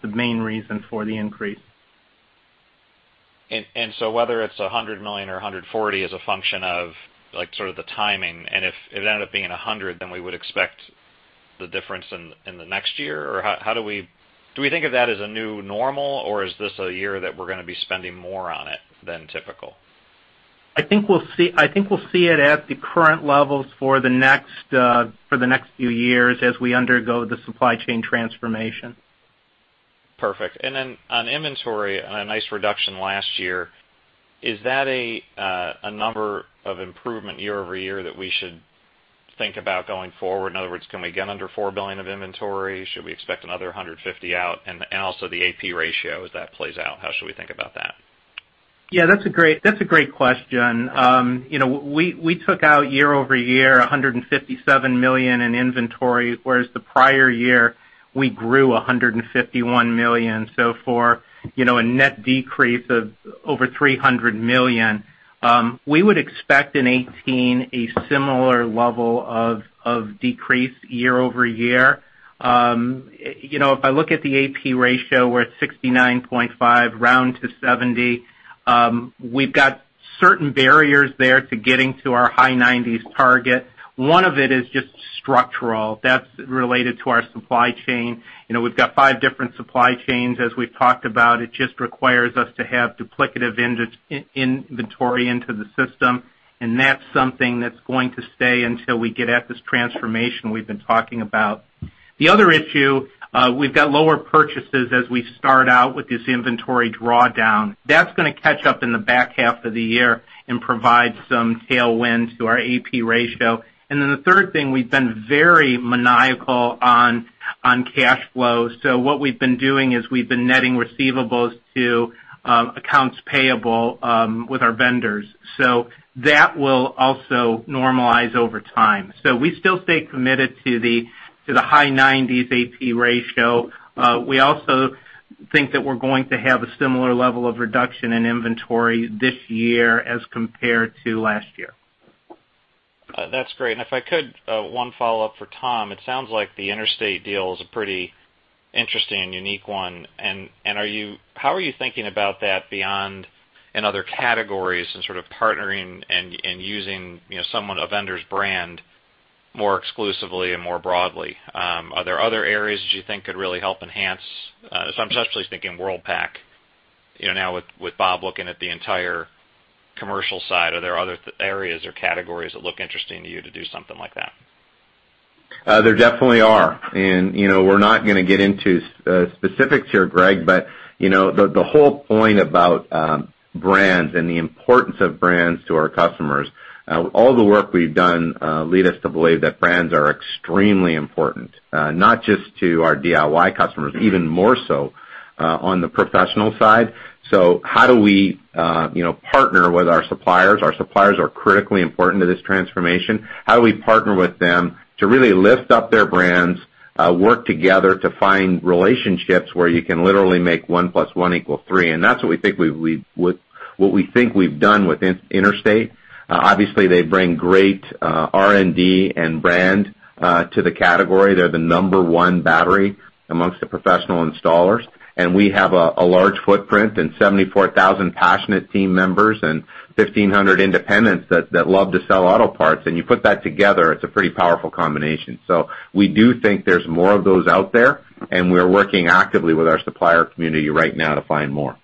the main reason for the increase. Whether it's $100 million or $140 million is a function of sort of the timing, and if it ended up being $100 million, we would expect the difference in the next year? Do we think of that as a new normal, or is this a year that we're going to be spending more on it than typical? I think we'll see it at the current levels for the next few years as we undergo the supply chain transformation. Perfect. Then on inventory, on a nice reduction last year, is that a number of improvement year-over-year that we should think about going forward? In other words, can we get under $4 billion of inventory? Should we expect another $150 out? Also the AP ratio, as that plays out, how should we think about that? Yeah, that's a great question. We took out year-over-year $157 million in inventory, whereas the prior year we grew $151 million. For a net decrease of over $300 million. We would expect in 2018 a similar level of decrease year-over-year. If I look at the AP ratio, we're at 69.5, round to 70. We've got certain barriers there to getting to our high 90s target. One of it is just structural. That's related to our supply chain. We've got five different supply chains, as we've talked about. It just requires us to have duplicative inventory into the system, and that's something that's going to stay until we get at this transformation we've been talking about. The other issue, we've got lower purchases as we start out with this inventory drawdown. That's going to catch up in the back half of the year and provide some tailwind to our AP ratio. Then the third thing, we've been very maniacal on cash flow. What we've been doing is we've been netting receivables to accounts payable with our vendors. That will also normalize over time. We still stay committed to the high 90s AP ratio. We also think that we're going to have a similar level of reduction in inventory this year as compared to last year. That's great. If I could, one follow-up for Tom. It sounds like the Interstate deal is a pretty interesting and unique one. How are you thinking about that beyond in other categories and sort of partnering and using a vendor's brand more exclusively and more broadly? Are there other areas that you think could really help enhance? I'm especially thinking Worldpac, now with Bob looking at the entire commercial side. Are there other areas or categories that look interesting to you to do something like that? There definitely are. We're not going to get into specifics here, Greg, the whole point about brands and the importance of brands to our customers, all the work we've done lead us to believe that brands are extremely important, not just to our DIY customers, even more so on the professional side. How do we partner with our suppliers? Our suppliers are critically important to this transformation. How do we partner with them to really lift up their brands, work together to find relationships where you can literally make one plus one equal three? That's what we think we've done with Interstate. Obviously, they bring great R&D and brand to the category. They're the number one battery amongst the professional installers, and we have a large footprint and 74,000 passionate team members and 1,500 independents that love to sell auto parts. You put that together, it's a pretty powerful combination. We do think there's more of those out there. We're working actively with our supplier community right now to find more.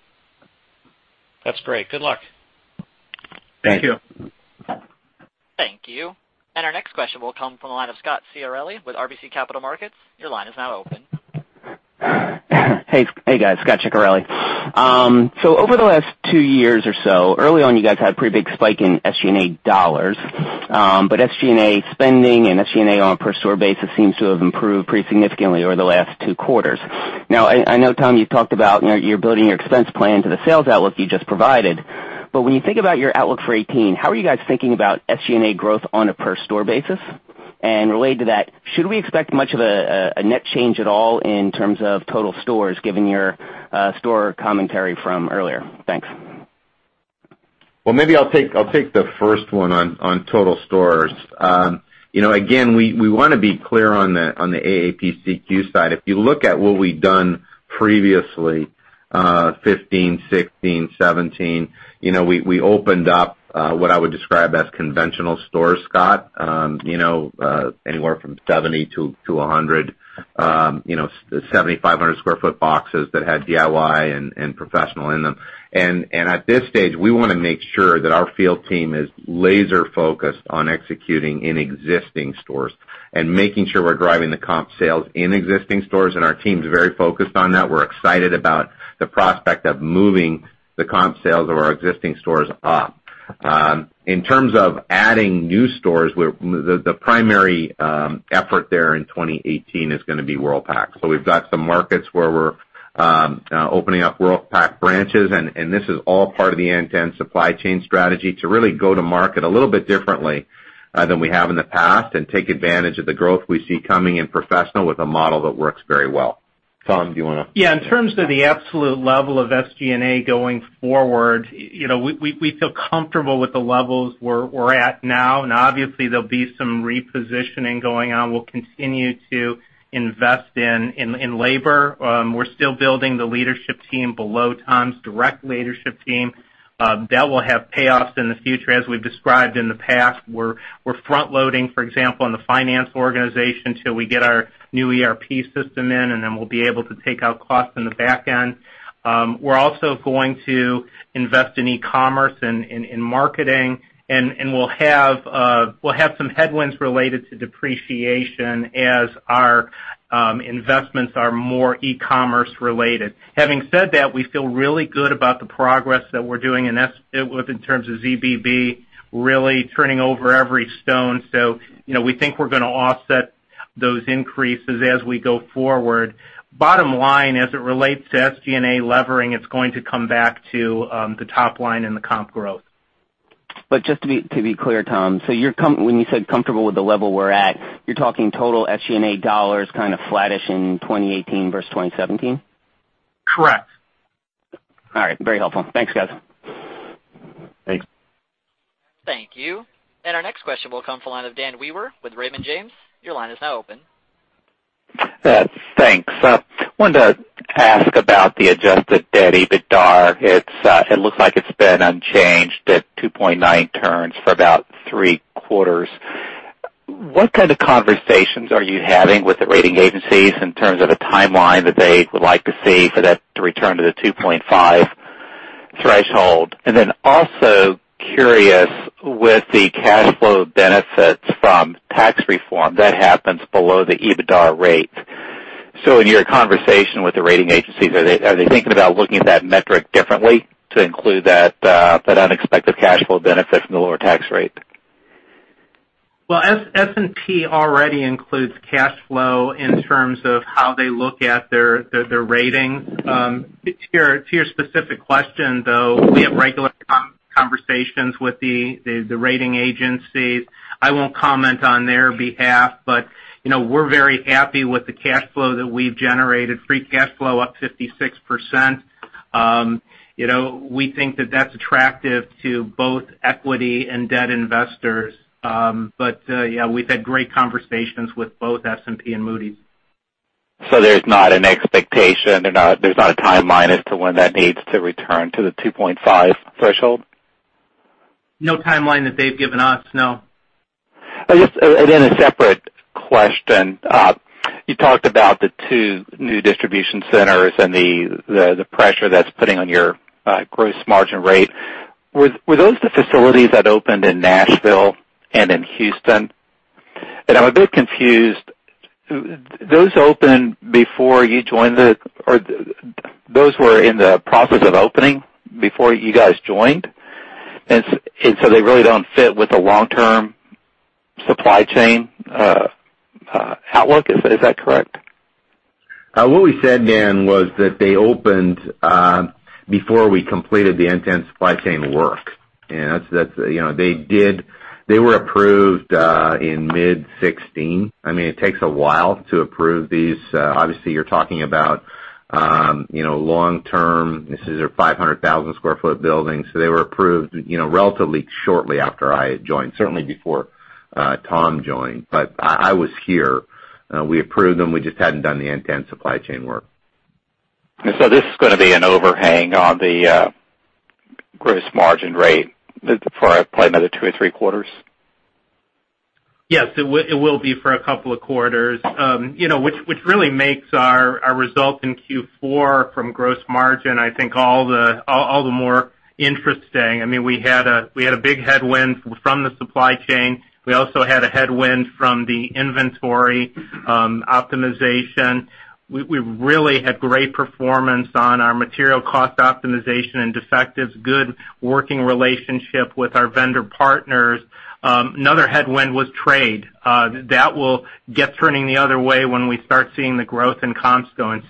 That's great. Good luck. Thank you. Thank you. Our next question will come from the line of Scot Ciccarelli with RBC Capital Markets. Your line is now open. Hey, guys. Scot Ciccarelli. Over the last two years or so, early on, you guys had a pretty big spike in SG&A dollars. SG&A spending and SG&A on a per store basis seems to have improved pretty significantly over the last two quarters. I know, Tom, you talked about you're building your expense plan to the sales outlook you just provided, but when you think about your outlook for 2018, how are you guys thinking about SG&A growth on a per store basis? Related to that, should we expect much of a net change at all in terms of total stores given your store commentary from earlier? Thanks. Maybe I'll take the first one on total stores. Again, we want to be clear on the AAP/CQ side. If you look at what we've done previously, 2015, 2016, 2017, we opened up what I would describe as conventional stores, Scot, anywhere from 70-100, 7,500 square foot boxes that had DIY and professional in them. At this stage, we want to make sure that our field team is laser focused on executing in existing stores and making sure we're driving the comp sales in existing stores, and our team's very focused on that. We're excited about the prospect of moving the comp sales of our existing stores up. In terms of adding new stores, the primary effort there in 2018 is going to be Worldpac. We've got some markets where we're opening up Worldpac branches, and this is all part of the end-to-end supply chain strategy to really go to market a little bit differently than we have in the past and take advantage of the growth we see coming in professional with a model that works very well. Tom, do you want to? Yeah. In terms of the absolute level of SG&A going forward, we feel comfortable with the levels we're at now, and obviously, there'll be some repositioning going on. We'll continue to invest in labor. We're still building the leadership team below Tom's direct leadership team. That will have payoffs in the future, as we've described in the past. We're front-loading, for example, in the finance organization till we get our new ERP system in, and then we'll be able to take out costs in the back end. We're also going to invest in e-commerce and in marketing, and we'll have some headwinds related to depreciation as our investments are more e-commerce related. Having said that, we feel really good about the progress that we're doing, and that's in terms of ZBB really turning over every stone. We think we're going to offset those increases as we go forward. Bottom line, as it relates to SG&A levering, it's going to come back to the top line and the comp growth. Just to be clear, Tom, when you said comfortable with the level we're at, you're talking total SG&A dollars kind of flattish in 2018 versus 2017? Correct. All right. Very helpful. Thanks, guys. Thanks. Thank you. Our next question will come from the line of Dan Wewer with Raymond James. Your line is now open. Thanks. Wanted to ask about the adjusted debt EBITDA. It looks like it's been unchanged at 2.9 turns for about three quarters. What kind of conversations are you having with the rating agencies in terms of the timeline that they would like to see for that to return to the 2.5 threshold? Also curious with the cash flow benefits from tax reform that happens below the EBITDA rate. In your conversation with the rating agencies, are they thinking about looking at that metric differently to include that unexpected cash flow benefit from the lower tax rate? Well, S&P already includes cash flow in terms of how they look at their ratings. To your specific question, though, we have regular conversations with the rating agencies. I won't comment on their behalf, but we're very happy with the cash flow that we've generated. Free cash flow up 56%. We think that that's attractive to both equity and debt investors. Yeah, we've had great conversations with both S&P and Moody's. There's not an expectation, and there's not a timeline as to when that needs to return to the 2.5 threshold? No timeline that they've given us, no. A separate question. You talked about the two new distribution centers and the pressure that's putting on your gross margin rate. Were those the facilities that opened in Nashville and in Houston? I'm a bit confused. Those opened before you joined, or those were in the process of opening before you guys joined, they really don't fit with the long-term supply chain outlook, is that correct? What we said, Dan, was that they opened before we completed the end-to-end supply chain work. They were approved in mid 2016. It takes a while to approve these. Obviously, you're talking about long-term, this is a 500,000 square foot building, they were approved relatively shortly after I had joined. Certainly before Tom joined. I was here. We approved them, we just hadn't done the end-to-end supply chain work. This is going to be an overhang on the gross margin rate for probably another two or three quarters? Yes, it will be for a couple of quarters. Which really makes our result in Q4 from gross margin, I think, all the more interesting. We had a big headwind from the supply chain. We also had a headwind from the inventory optimization. We really had great performance on our material cost optimization and defectives, good working relationship with our vendor partners. Another headwind was trade. That will get turning the other way when we start seeing the growth in comps going.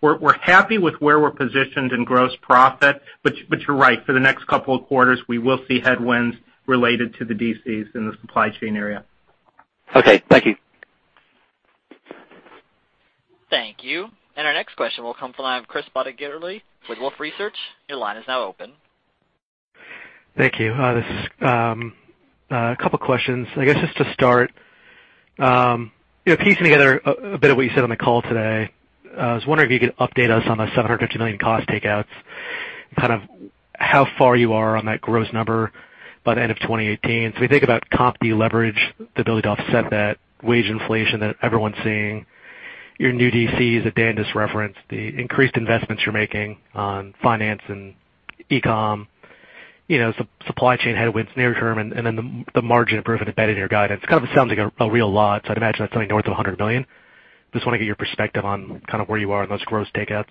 We're happy with where we're positioned in gross profit, but you're right. For the next couple of quarters, we will see headwinds related to the DCs in the supply chain area. Okay, thank you. Thank you. Our next question will come from the line of Chris Bottiglieri with Wolfe Research. Your line is now open. Thank you. A couple of questions. I guess just to start, piecing together a bit of what you said on the call today, I was wondering if you could update us on the $750 million cost takeouts, how far you are on that gross number by the end of 2018. We think about comp de-leverage, the ability to offset that wage inflation that everyone's seeing, your new DCs that Dan just referenced, the increased investments you're making on finance and e-com, supply chain headwinds near-term, and then the margin improvement embedded in your guidance. It kind of sounds like a real lot, I'd imagine that's something north of $100 million. Just want to get your perspective on where you are on those gross takeouts.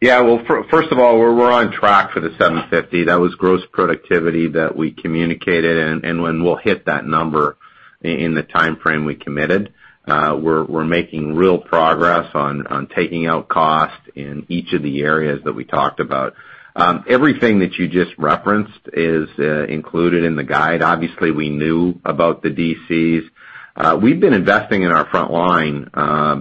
Yeah. Well, first of all, we're on track for the $750 million. That was gross productivity that we communicated, and when we'll hit that number in the timeframe we committed. We're making real progress on taking out cost in each of the areas that we talked about. Everything that you just referenced is included in the guide. Obviously, we knew about the DCs. We've been investing in our frontline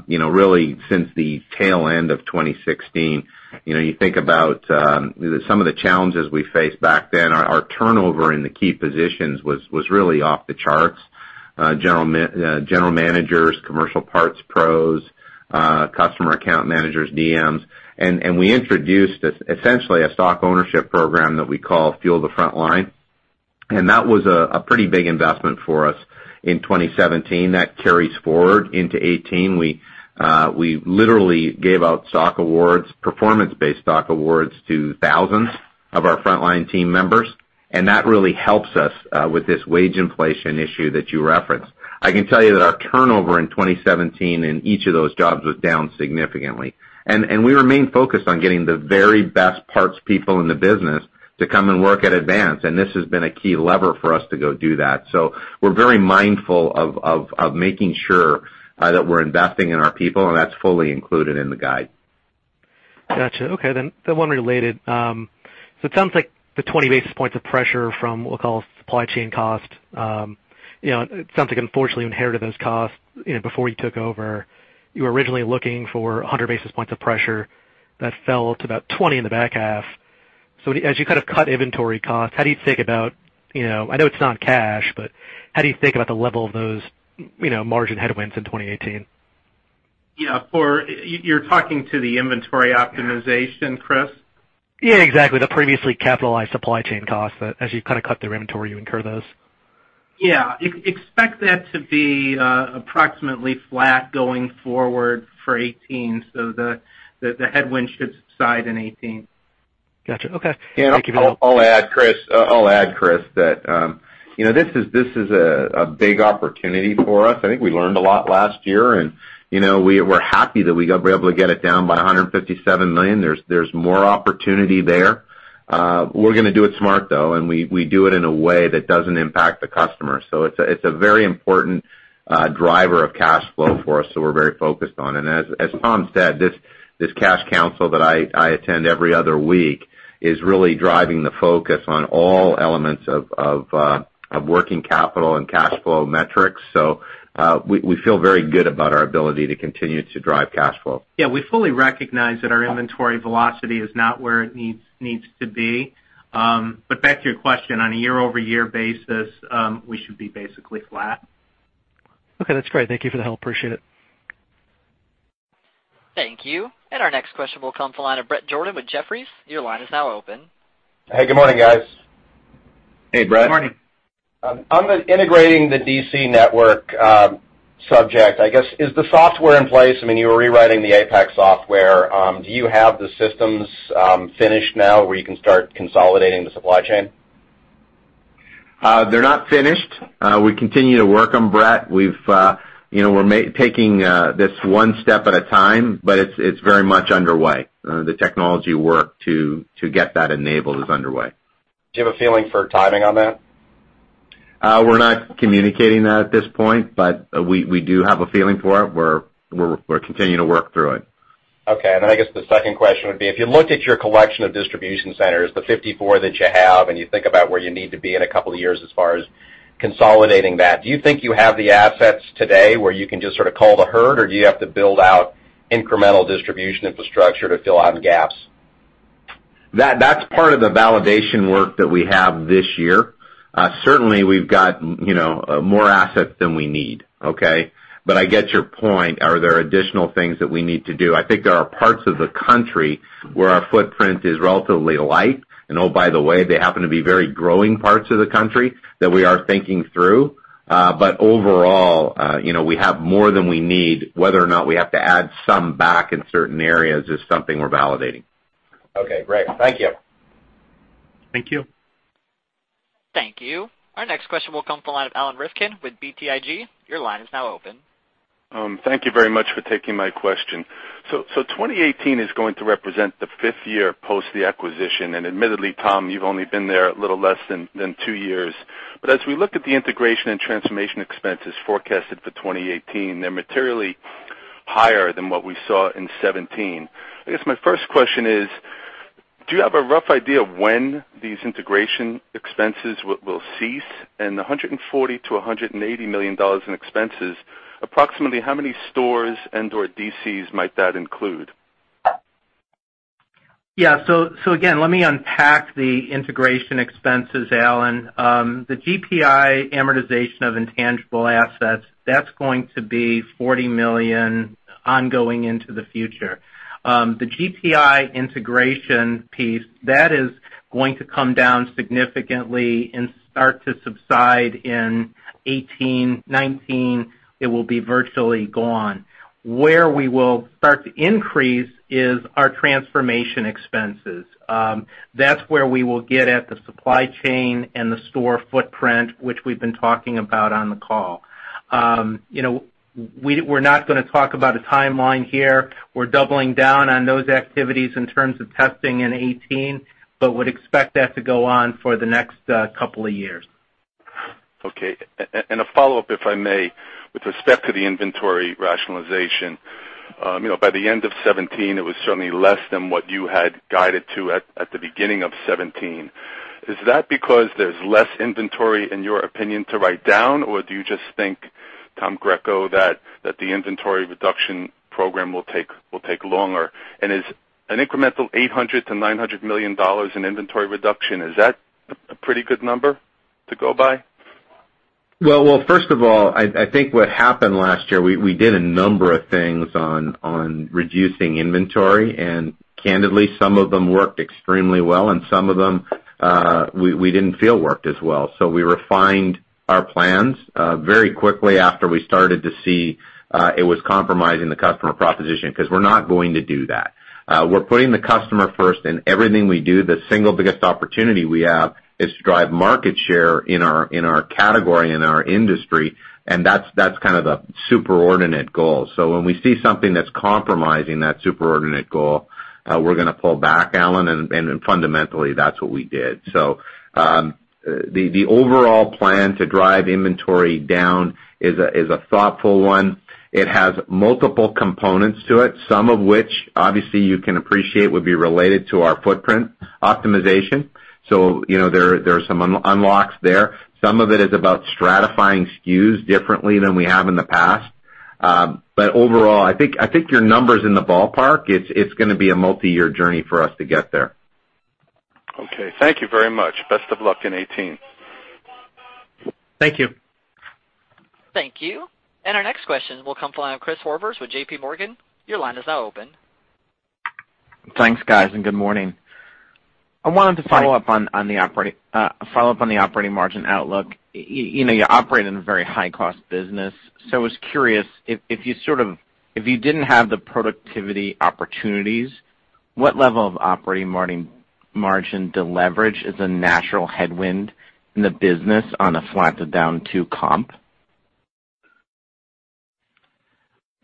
really since the tail end of 2016. You think about some of the challenges we faced back then. Our turnover in the key positions was really off the charts. General managers, commercial parts pros, customer account managers, DMs. We introduced, essentially, a stock ownership program that we call Fuel the Frontline, and that was a pretty big investment for us in 2017. That carries forward into 2018. We literally gave out stock awards, performance-based stock awards, to thousands of our frontline team members, and that really helps us with this wage inflation issue that you referenced. I can tell you that our turnover in 2017 in each of those jobs was down significantly. We remain focused on getting the very best parts people in the business to come and work at Advance, and this has been a key lever for us to go do that. We're very mindful of making sure that we're investing in our people, and that's fully included in the guide. Got you. Okay, one related. It sounds like the 20 basis points of pressure from what I'll call supply chain cost, it sounds like unfortunately inherited those costs before you took over. You were originally looking for 100 basis points of pressure. That fell to about 20 basis points in the back half. As you kind of cut inventory costs, how do you think about, I know it's not cash, but how do you think about the level of those margin headwinds in 2018? Yeah. You're talking to the inventory optimization, Chris? Yeah, exactly. The previously capitalized supply chain costs that as you kind of cut through inventory, you incur those. Yeah. Expect that to be approximately flat going forward for 2018. The headwind should subside in 2018. Got you. Okay. Thank you for the help. I'll add, Chris, that this is a big opportunity for us. I think we learned a lot last year, and we're happy that we were able to get it down by $157 million. There's more opportunity there. We're going to do it smart, though. We do it in a way that doesn't impact the customer. It's a very important driver of cash flow for us that we're very focused on. As Tom said, this cash council that I attend every other week is really driving the focus on all elements of working capital and cash flow metrics. We feel very good about our ability to continue to drive cash flow. Yeah, we fully recognize that our inventory velocity is not where it needs to be. Back to your question, on a year-over-year basis, we should be basically flat. Okay, that's great. Thank you for the help. Appreciate it. Thank you. Our next question will come from the line of Bret Jordan with Jefferies. Your line is now open. Hey, good morning, guys. Hey, Bret. Good morning. On the integrating the DC network subject, I guess, is the software in place? You were rewriting the AAPAC software. Do you have the systems finished now where you can start consolidating the supply chain? They're not finished. We continue to work on, Bret. We're taking this one step at a time, but it's very much underway. The technology work to get that enabled is underway. Do you have a feeling for timing on that? We're not communicating that at this point, but we do have a feeling for it. We're continuing to work through it. Okay. I guess the second question would be, if you looked at your collection of distribution centers, the 54 that you have, and you think about where you need to be in a couple of years as far as consolidating that, do you think you have the assets today where you can just sort of call the herd, or do you have to build out incremental distribution infrastructure to fill out the gaps? That's part of the validation work that we have this year. Certainly, we've got more assets than we need. Okay? I get your point. Are there additional things that we need to do? I think there are parts of the country where our footprint is relatively light, and oh, by the way, they happen to be very growing parts of the country that we are thinking through. Overall, we have more than we need. Whether or not we have to add some back in certain areas is something we're validating. Okay, great. Thank you. Thank you. Thank you. Our next question will come from the line of Alan Rifkin with BTIG. Your line is now open. Thank you very much for taking my question. 2018 is going to represent the fifth year post the acquisition, admittedly, Tom, you've only been there a little less than two years. As we look at the integration and transformation expenses forecasted for 2018, they're materially higher than what we saw in 2017. I guess my first question is, do you have a rough idea of when these integration expenses will cease? And the $140 million-$180 million in expenses, approximately how many stores and/or DCs might that include? Again, let me unpack the integration expenses, Alan. The GPI amortization of intangible assets, that's going to be $40 million ongoing into the future. The GPI integration piece, that is going to come down significantly and start to subside in 2018, 2019, it will be virtually gone. Where we will start to increase is our transformation expenses. That's where we will get at the supply chain and the store footprint, which we've been talking about on the call. We're not going to talk about a timeline here. We're doubling down on those activities in terms of testing in 2018, but would expect that to go on for the next couple of years. Okay. A follow-up, if I may. With respect to the inventory rationalization, by the end of 2017, it was certainly less than what you had guided to at the beginning of 2017. Is that because there's less inventory, in your opinion, to write down, or do you just think, Tom Greco, that the inventory reduction program will take longer? Is an incremental $800 million-$900 million in inventory reduction, is that a pretty good number to go by? Well, first of all, I think what happened last year, we did a number of things on reducing inventory, candidly, some of them worked extremely well and some of them we didn't feel worked as well. We refined our plans very quickly after we started to see it was compromising the customer proposition, because we're not going to do that. We're putting the customer first in everything we do. The single biggest opportunity we have is to drive market share in our category, in our industry, and that's kind of the superordinate goal. When we see something that's compromising that superordinate goal, we're going to pull back, Alan, fundamentally, that's what we did. The overall plan to drive inventory down is a thoughtful one. It has multiple components to it, some of which obviously you can appreciate would be related to our footprint optimization. There are some unlocks there. Some of it is about stratifying SKUs differently than we have in the past. Overall, I think your number's in the ballpark. It's gonna be a multi-year journey for us to get there. Okay. Thank you very much. Best of luck in 2018. Thank you. Thank you. Our next question will come from the line of Chris Horvers with JPMorgan. Your line is now open. Thanks, guys. Good morning. Hi I wanted to follow up on the operating margin outlook. You operate in a very high-cost business. I was curious, if you didn't have the productivity opportunities, what level of operating margin deleverage is a natural headwind in the business on a flat to down two comp?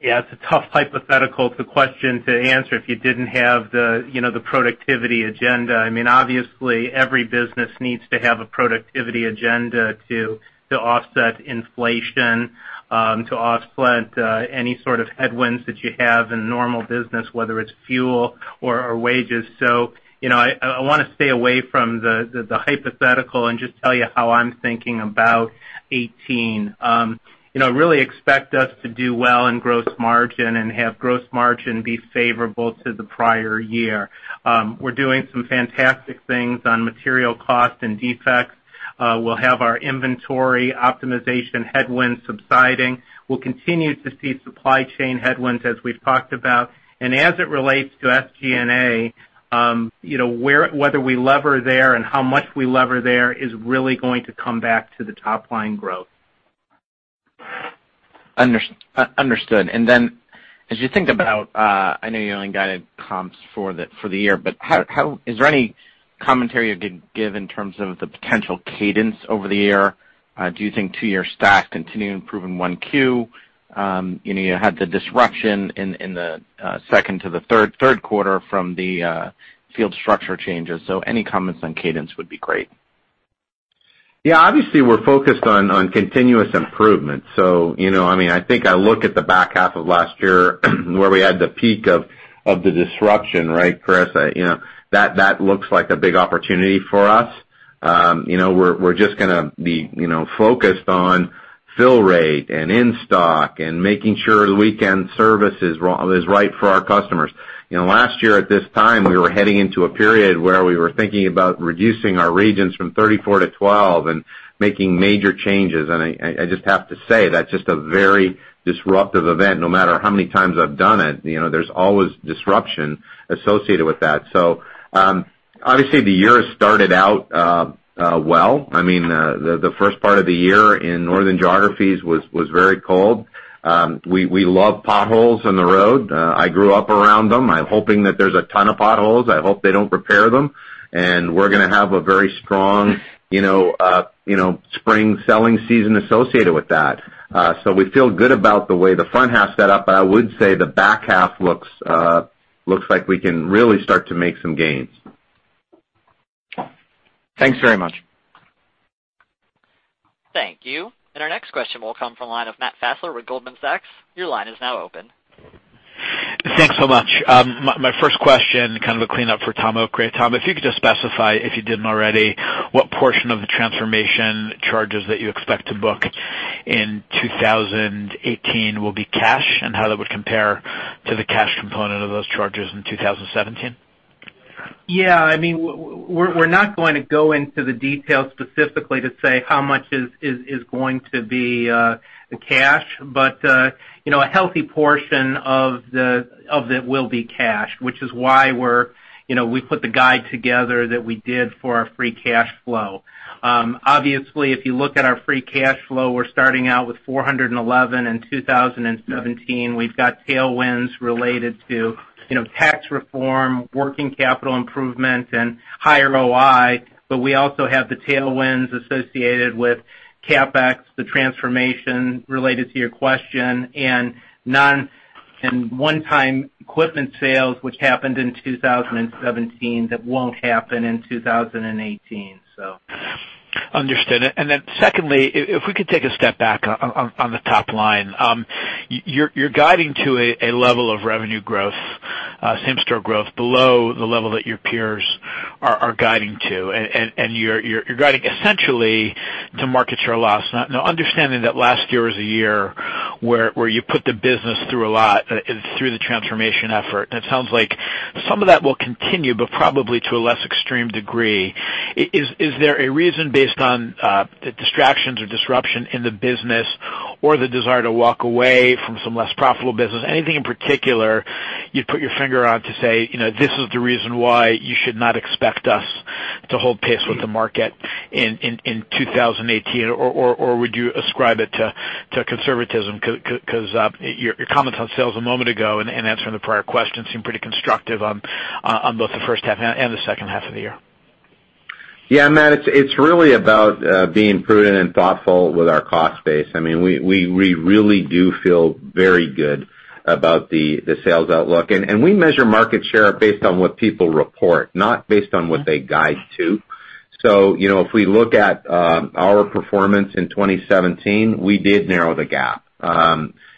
It's a tough hypothetical question to answer if you didn't have the productivity agenda. Obviously, every business needs to have a productivity agenda to offset inflation, to offset any sort of headwinds that you have in normal business, whether it's fuel or wages. I want to stay away from the hypothetical and just tell you how I'm thinking about 2018. Really expect us to do well in gross margin and have gross margin be favorable to the prior year. We're doing some fantastic things on material cost and defects. We'll have our inventory optimization headwinds subsiding. We'll continue to see supply chain headwinds as we've talked about. As it relates to SG&A, whether we lever there and how much we lever there is really going to come back to the top-line growth. Understood. Then as you think about, I know you only guided comps for the year, but is there any commentary you could give in terms of the potential cadence over the year? Do you think two-year stack continue improving 1Q? You had the disruption in the second to the third quarter from the field structure changes. Any comments on cadence would be great. Obviously, we're focused on continuous improvement. I think I look at the back half of last year where we had the peak of the disruption, right, Chris? That looks like a big opportunity for us. We're just going to be focused on fill rate and in-stock and making sure the weekend service is right for our customers. Last year at this time, we were heading into a period where we were thinking about reducing our regions from 34 to 12 and making major changes. I just have to say, that's just a very disruptive event. No matter how many times I've done it, there's always disruption associated with that. Obviously the year started out well. The first part of the year in northern geographies was very cold. We love potholes in the road. I grew up around them. I'm hoping that there's a ton of potholes. I hope they don't repair them. We're going to have a very strong spring selling season associated with that. We feel good about the way the front half set up. I would say the back half looks like we can really start to make some gains. Thanks very much. Thank you. Our next question will come from the line of Matt Fassler with Goldman Sachs. Your line is now open. Thanks so much. My first question, kind of a cleanup for Tom Okray. Tom, if you could just specify, if you didn't already, what portion of the transformation charges that you expect to book in 2018 will be cash, and how that would compare to the cash component of those charges in 2017? Yeah. We're not going to go into the detail specifically to say how much is going to be cash. A healthy portion of it will be cash, which is why we put the guide together that we did for our free cash flow. Obviously, if you look at our free cash flow, we're starting out with 411 in 2017. We've got tailwinds related to tax reform, working capital improvement, and higher OI. We also have the tailwinds associated with CapEx, the transformation related to your question, and one-time equipment sales, which happened in 2017, that won't happen in 2018. Understood. Secondly, if we could take a step back on the top line. You're guiding to a level of revenue growth, same-store growth below the level that your peers are guiding to, and you're guiding essentially to market share loss. Understanding that last year was a year where you put the business through a lot through the transformation effort, and it sounds like some of that will continue, but probably to a less extreme degree. Is there a reason based on the distractions or disruption in the business or the desire to walk away from some less profitable business? Anything in particular you'd put your finger on to say, "This is the reason why you should not expect us to hold pace with the market in 2018," or would you ascribe it to conservatism? Your comments on sales a moment ago and answering the prior question seemed pretty constructive on both the first half and the second half of the year. Matt, it's really about being prudent and thoughtful with our cost base. We really do feel very good about the sales outlook. We measure market share based on what people report, not based on what they guide to. If we look at our performance in 2017, we did narrow the gap.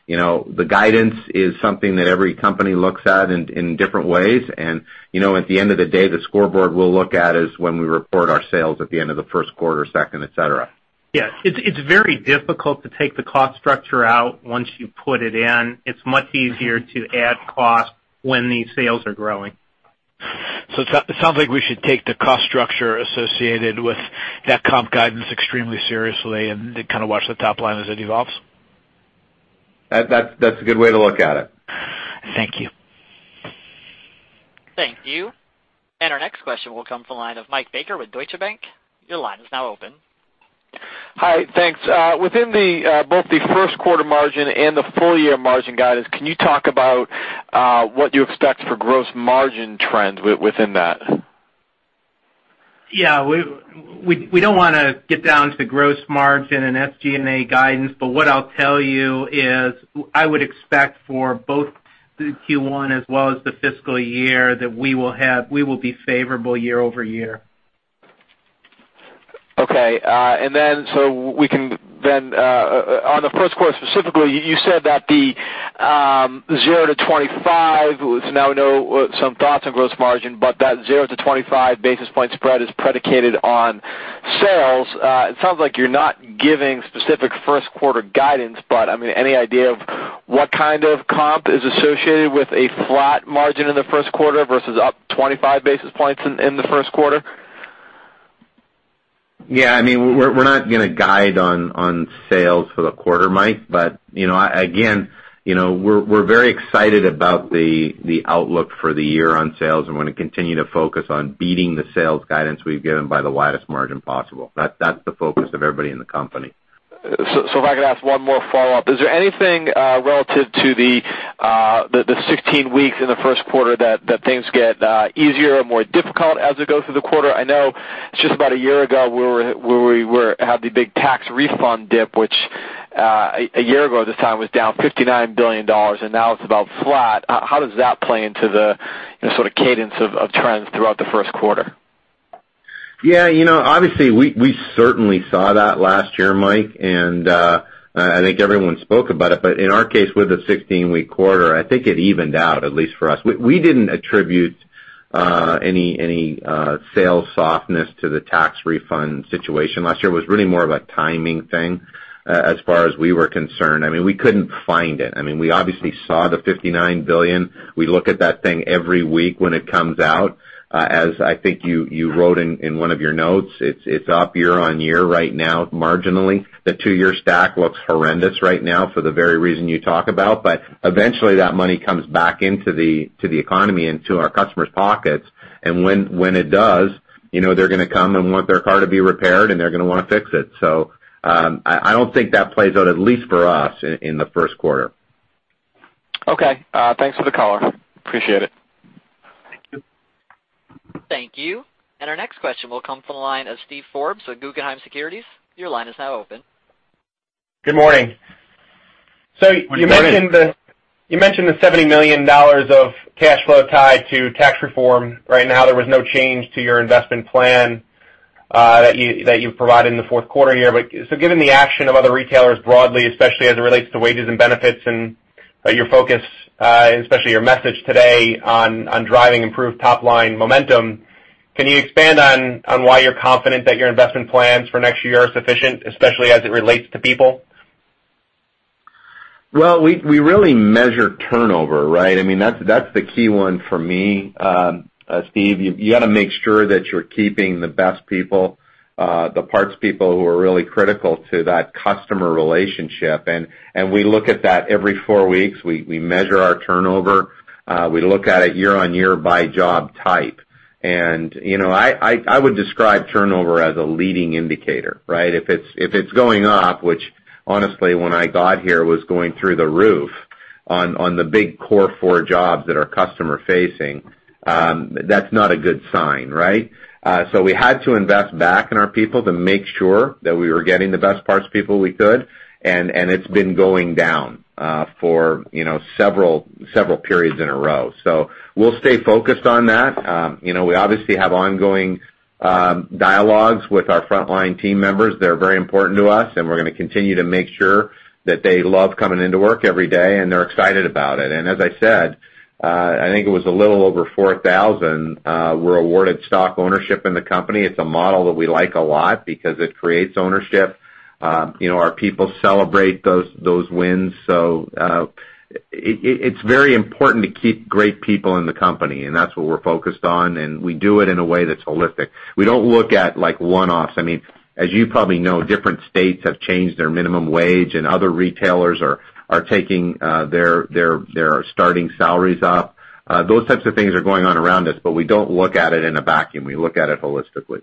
The guidance is something that every company looks at in different ways. At the end of the day, the scoreboard we'll look at is when we report our sales at the end of the first quarter, second, etcetera. Yeah. It's very difficult to take the cost structure out once you put it in. It's much easier to add cost when the sales are growing. It sounds like we should take the cost structure associated with that comp guidance extremely seriously and then kind of watch the top line as it evolves. That's a good way to look at it. Thank you. Thank you. Our next question will come from the line of Mike Baker with Deutsche Bank. Your line is now open. Hi, thanks. Within both the first quarter margin and the full-year margin guidance, can you talk about what you expect for gross margin trends within that? Yeah. We don't want to get down to gross margin and SG&A guidance, but what I'll tell you is I would expect for both the Q1 as well as the fiscal year that we will be favorable year-over-year. On the first quarter specifically, you said that the 0-25, so now we know some thoughts on gross margin, but that 0-25 basis point spread is predicated on sales. It sounds like you're not giving specific first quarter guidance, but any idea of what kind of comp is associated with a flat margin in the first quarter versus up 25 basis points in the first quarter? We're not going to guide on sales for the quarter, Mike, but again, we're very excited about the outlook for the year on sales and want to continue to focus on beating the sales guidance we've given by the widest margin possible. That's the focus of everybody in the company. If I could ask one more follow-up, is there anything relative to the 16 weeks in the first quarter that things get easier or more difficult as we go through the quarter? I know just about a year ago, we had the big tax refund dip, which a year ago at this time was down $59 billion, and now it's about flat. How does that play into the sort of cadence of trends throughout the first quarter? Obviously, we certainly saw that last year, Mike, and I think everyone spoke about it. In our case, with a 16-week quarter, I think it evened out, at least for us. We didn't attribute any sales softness to the tax refund situation last year. It was really more of a timing thing as far as we were concerned. We couldn't find it. We obviously saw the $59 billion. We look at that thing every week when it comes out. As I think you wrote in one of your notes, it's up year-over-year right now marginally. The two-year stack looks horrendous right now for the very reason you talk about, but eventually that money comes back into the economy, into our customers' pockets. When it does, they're going to come and want their car to be repaired, and they're going to want to fix it. I don't think that plays out, at least for us, in the first quarter. Okay. Thanks for the color. Appreciate it. Thank you. Thank you. Our next question will come from the line of Steve Forbes with Guggenheim Securities. Your line is now open. Good morning. Good morning. You mentioned the $70 million of cash flow tied to tax reform. Right now, there was no change to your investment plan that you provided in the fourth quarter here. Given the action of other retailers broadly, especially as it relates to wages and benefits and your focus, especially your message today on driving improved top-line momentum, can you expand on why you're confident that your investment plans for next year are sufficient, especially as it relates to people? Well, we really measure turnover, right? That's the key one for me, Steve. You got to make sure that you're keeping the best people, the parts people who are really critical to that customer relationship, and we look at that every four weeks. We measure our turnover. We look at it year-on-year by job type. I would describe turnover as a leading indicator, right? If it's going up, which honestly, when I got here, was going through the roof on the big core four jobs that are customer facing, that's not a good sign, right? We had to invest back in our people to make sure that we were getting the best parts people we could, and it's been going down for several periods in a row. We'll stay focused on that. We obviously have ongoing dialogues with our frontline team members. They're very important to us, and we're going to continue to make sure that they love coming into work every day and they're excited about it. As I said, I think it was a little over 4,000 were awarded stock ownership in the company. It's a model that we like a lot because it creates ownership. Our people celebrate those wins. It's very important to keep great people in the company, and that's what we're focused on, and we do it in a way that's holistic. We don't look at one-offs. As you probably know, different states have changed their minimum wage and other retailers are taking their starting salaries up. Those types of things are going on around us, we don't look at it in a vacuum. We look at it holistically.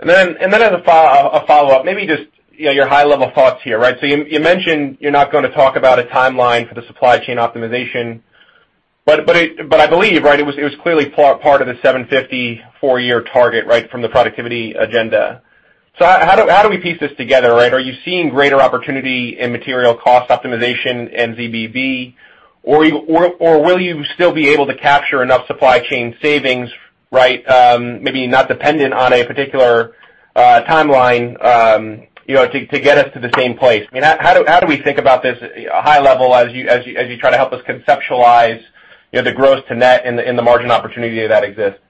As a follow-up, maybe just your high-level thoughts here, right? You mentioned you're not going to talk about a timeline for the supply chain optimization, I believe it was clearly part of the $750 four-year target from the productivity agenda. How do we piece this together? Are you seeing greater opportunity in material cost optimization and ZBB, or will you still be able to capture enough supply chain savings, maybe not dependent on a particular timeline to get us to the same place? How do we think about this high level as you try to help us conceptualize the gross to net and the margin opportunity that exists?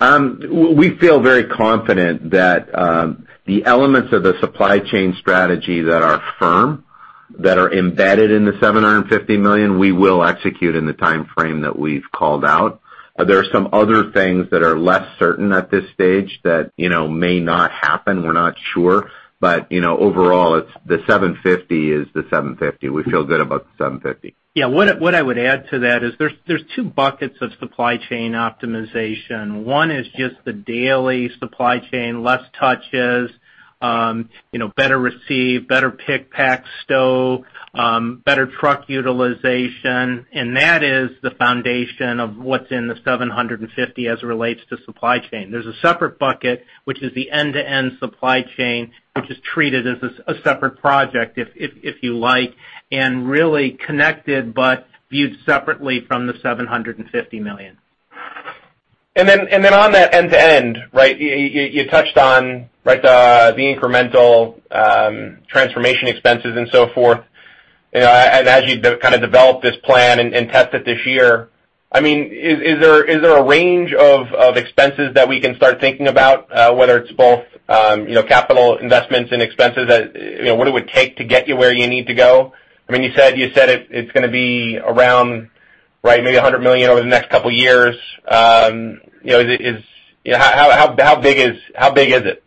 We feel very confident that the elements of the supply chain strategy that are firm, that are embedded in the $750 million, we will execute in the timeframe that we've called out. There are some other things that are less certain at this stage that may not happen. We're not sure. Overall, the $750 is the $750. We feel good about the $750. Yeah. What I would add to that is there's two buckets of supply chain optimization. One is just the daily supply chain, less touches, better receive, better pick, pack, stow, better truck utilization, and that is the foundation of what's in the $750 as it relates to supply chain. There's a separate bucket, which is the end-to-end supply chain, which is treated as a separate project, if you like, and really connected, but viewed separately from the $750 million. On that end to end, you touched on the incremental transformation expenses and so forth. As you kind of developed this plan and test it this year, is there a range of expenses that we can start thinking about, whether it's both capital investments and expenses, what it would take to get you where you need to go? You said it's going to be around maybe $100 million over the next couple of years. How big is it?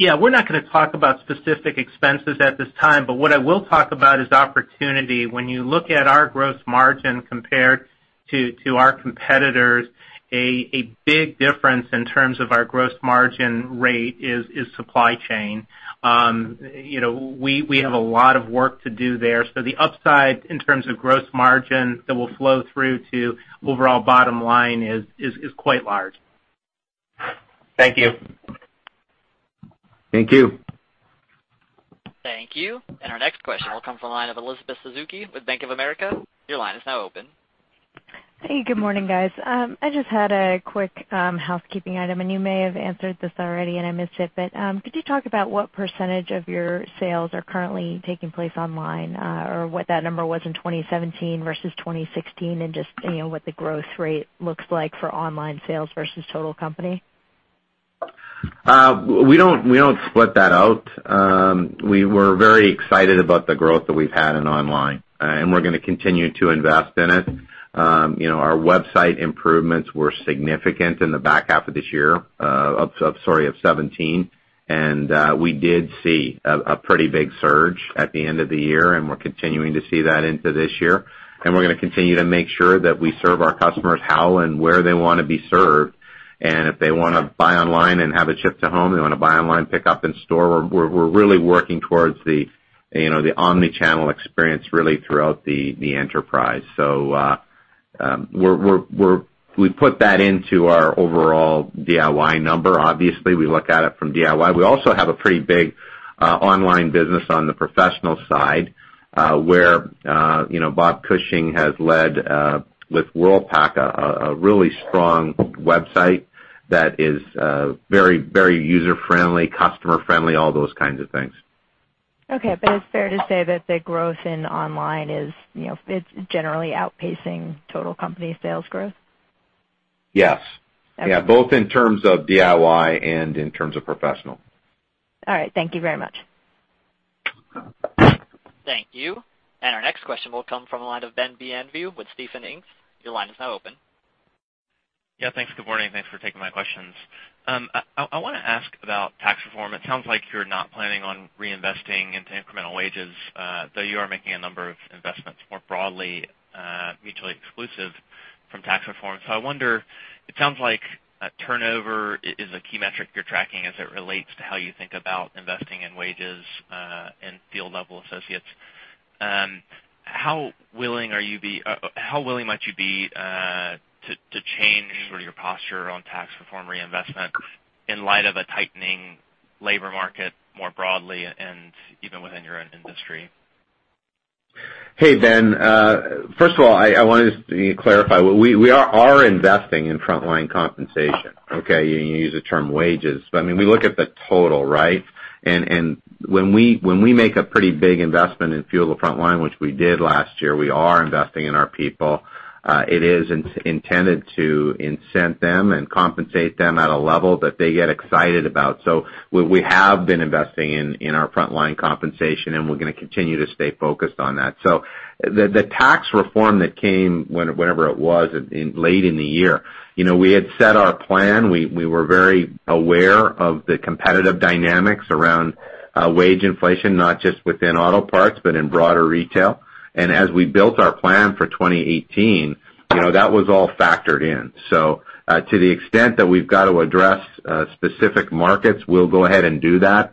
Yeah. We're not going to talk about specific expenses at this time, but what I will talk about is opportunity. When you look at our gross margin compared to our competitors, a big difference in terms of our gross margin rate is supply chain. We have a lot of work to do there. The upside in terms of gross margin that will flow through to overall bottom line is quite large. Thank you. Thank you. Thank you. Our next question will come from the line of Elizabeth Suzuki with Bank of America. Your line is now open. Hey, good morning, guys. I just had a quick housekeeping item, and you may have answered this already and I missed it, but could you talk about what % of your sales are currently taking place online, or what that number was in 2017 versus 2016, and just what the growth rate looks like for online sales versus total company? We don't split that out. We were very excited about the growth that we've had in online, and we're going to continue to invest in it. Our website improvements were significant in the back half of 2017, and we did see a pretty big surge at the end of the year, and we're continuing to see that into this year. We're going to continue to make sure that we serve our customers how and where they want to be served. If they want to buy online and have it shipped to home, they want to buy online, pick up in store, we're really working towards the omni-channel experience really throughout the enterprise. We put that into our overall DIY number. Obviously, we look at it from DIY. We also have a pretty big online business on the professional side, where Bob Cushing has led, with Worldpac, a really strong website that is very user-friendly, customer-friendly, all those kinds of things. Okay. It's fair to say that the growth in online is generally outpacing total company sales growth? Yes. Okay. Yeah, both in terms of DIY and in terms of professional. All right. Thank you very much. Thank you. Our next question will come from the line of Ben Bienvenu with Stephens Inc.. Your line is now open. Yeah. Thanks. Good morning. Thanks for taking my questions. I want to ask about tax reform. It sounds like you're not planning on reinvesting into incremental wages, though you are making a number of investments more broadly, mutually exclusive from tax reform. I wonder, it sounds like turnover is a key metric you're tracking as it relates to how you think about investing in wages and field-level associates. How willing might you be to change your posture on tax reform reinvestment in light of a tightening labor market more broadly and even within your own industry? Hey, Ben Bienvenu. First of all, I wanted to clarify. We are investing in frontline compensation. Okay. You use the term wages, but we look at the total, right? When we make a pretty big investment in field or frontline, which we did last year, we are investing in our people. It is intended to incent them and compensate them at a level that they get excited about. We have been investing in our frontline compensation, and we're going to continue to stay focused on that. The tax reform that came, whenever it was, late in the year. We had set our plan. We were very aware of the competitive dynamics around wage inflation, not just within auto parts, but in broader retail. As we built our plan for 2018, that was all factored in. To the extent that we've got to address specific markets, we'll go ahead and do that.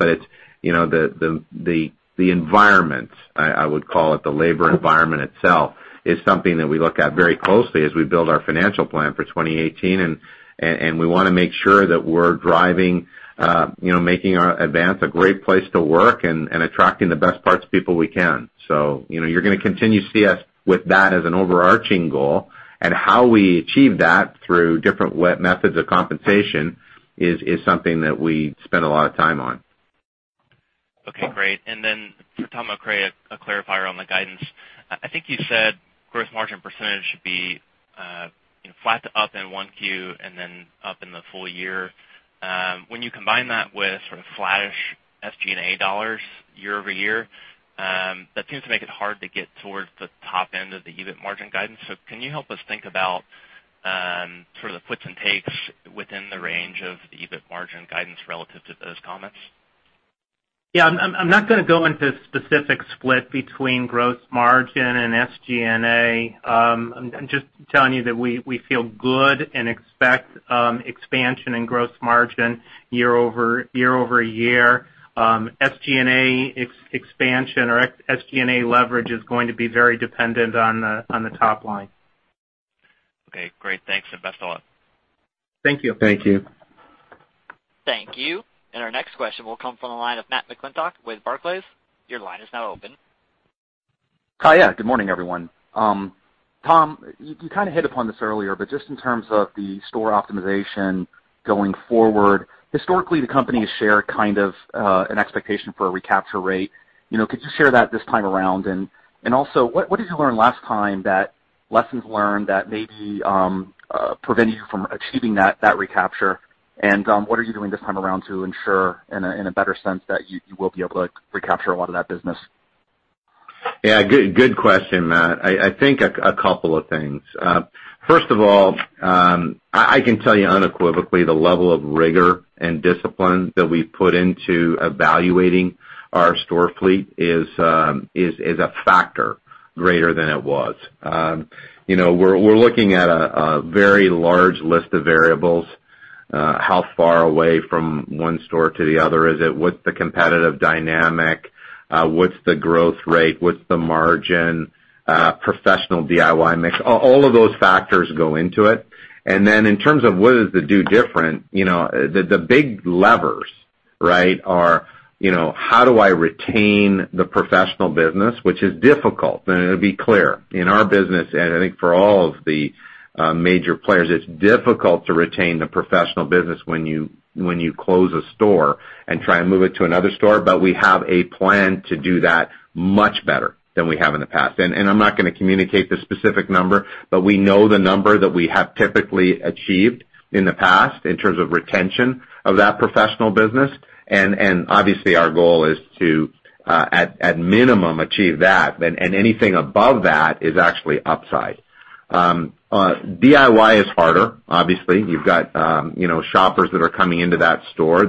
The environment, I would call it the labor environment itself, is something that we look at very closely as we build our financial plan for 2018, and we want to make sure that we're making Advance a great place to work and attracting the best parts people we can. You're going to continue to see us with that as an overarching goal, and how we achieve that through different methods of compensation is something that we spend a lot of time on. Okay. Great. Then for Tom Okray, a clarifier on the guidance. I think you said gross margin percentage should be flat to up in 1Q and then up in the full year. When you combine that with sort of flattish SG&A dollars year-over-year, that seems to make it hard to get towards the top end of the EBIT margin guidance. Can you help us think about sort of the puts and takes within the range of the EBIT margin guidance relative to those comments? Yeah. I'm not going to go into specific split between gross margin and SG&A. I'm just telling you that we feel good and expect expansion in gross margin year-over-year. SG&A expansion or SG&A leverage is going to be very dependent on the top line. Okay. Great. Thanks a lot. Thank you. Thank you. Thank you. Our next question will come from the line of Matt McClintock with Barclays. Your line is now open. Hi. Good morning, everyone. Tom, you kind of hit upon this earlier, but just in terms of the store optimization going forward, historically, the company has shared kind of an expectation for a recapture rate. Could you share that this time around? Also, what did you learn last time that Lessons learned that maybe prevented you from achieving that recapture, and what are you doing this time around to ensure, in a better sense, that you will be able to recapture a lot of that business? Yeah, good question, Matt. I think a couple of things. First of all, I can tell you unequivocally the level of rigor and discipline that we've put into evaluating our store fleet is a factor greater than it was. We're looking at a very large list of variables. How far away from one store to the other is it? What's the competitive dynamic? What's the growth rate? What's the margin? Professional DIY mix. All of those factors go into it. Then in terms of what is to do different, the big levers are how do I retain the professional business, which is difficult. To be clear, in our business, I think for all of the major players, it's difficult to retain the professional business when you close a store and try and move it to another store. We have a plan to do that much better than we have in the past. I'm not going to communicate the specific number, but we know the number that we have typically achieved in the past in terms of retention of that professional business. Obviously our goal is to, at minimum, achieve that, and anything above that is actually upside. DIY is harder, obviously. You've got shoppers that are coming into that store.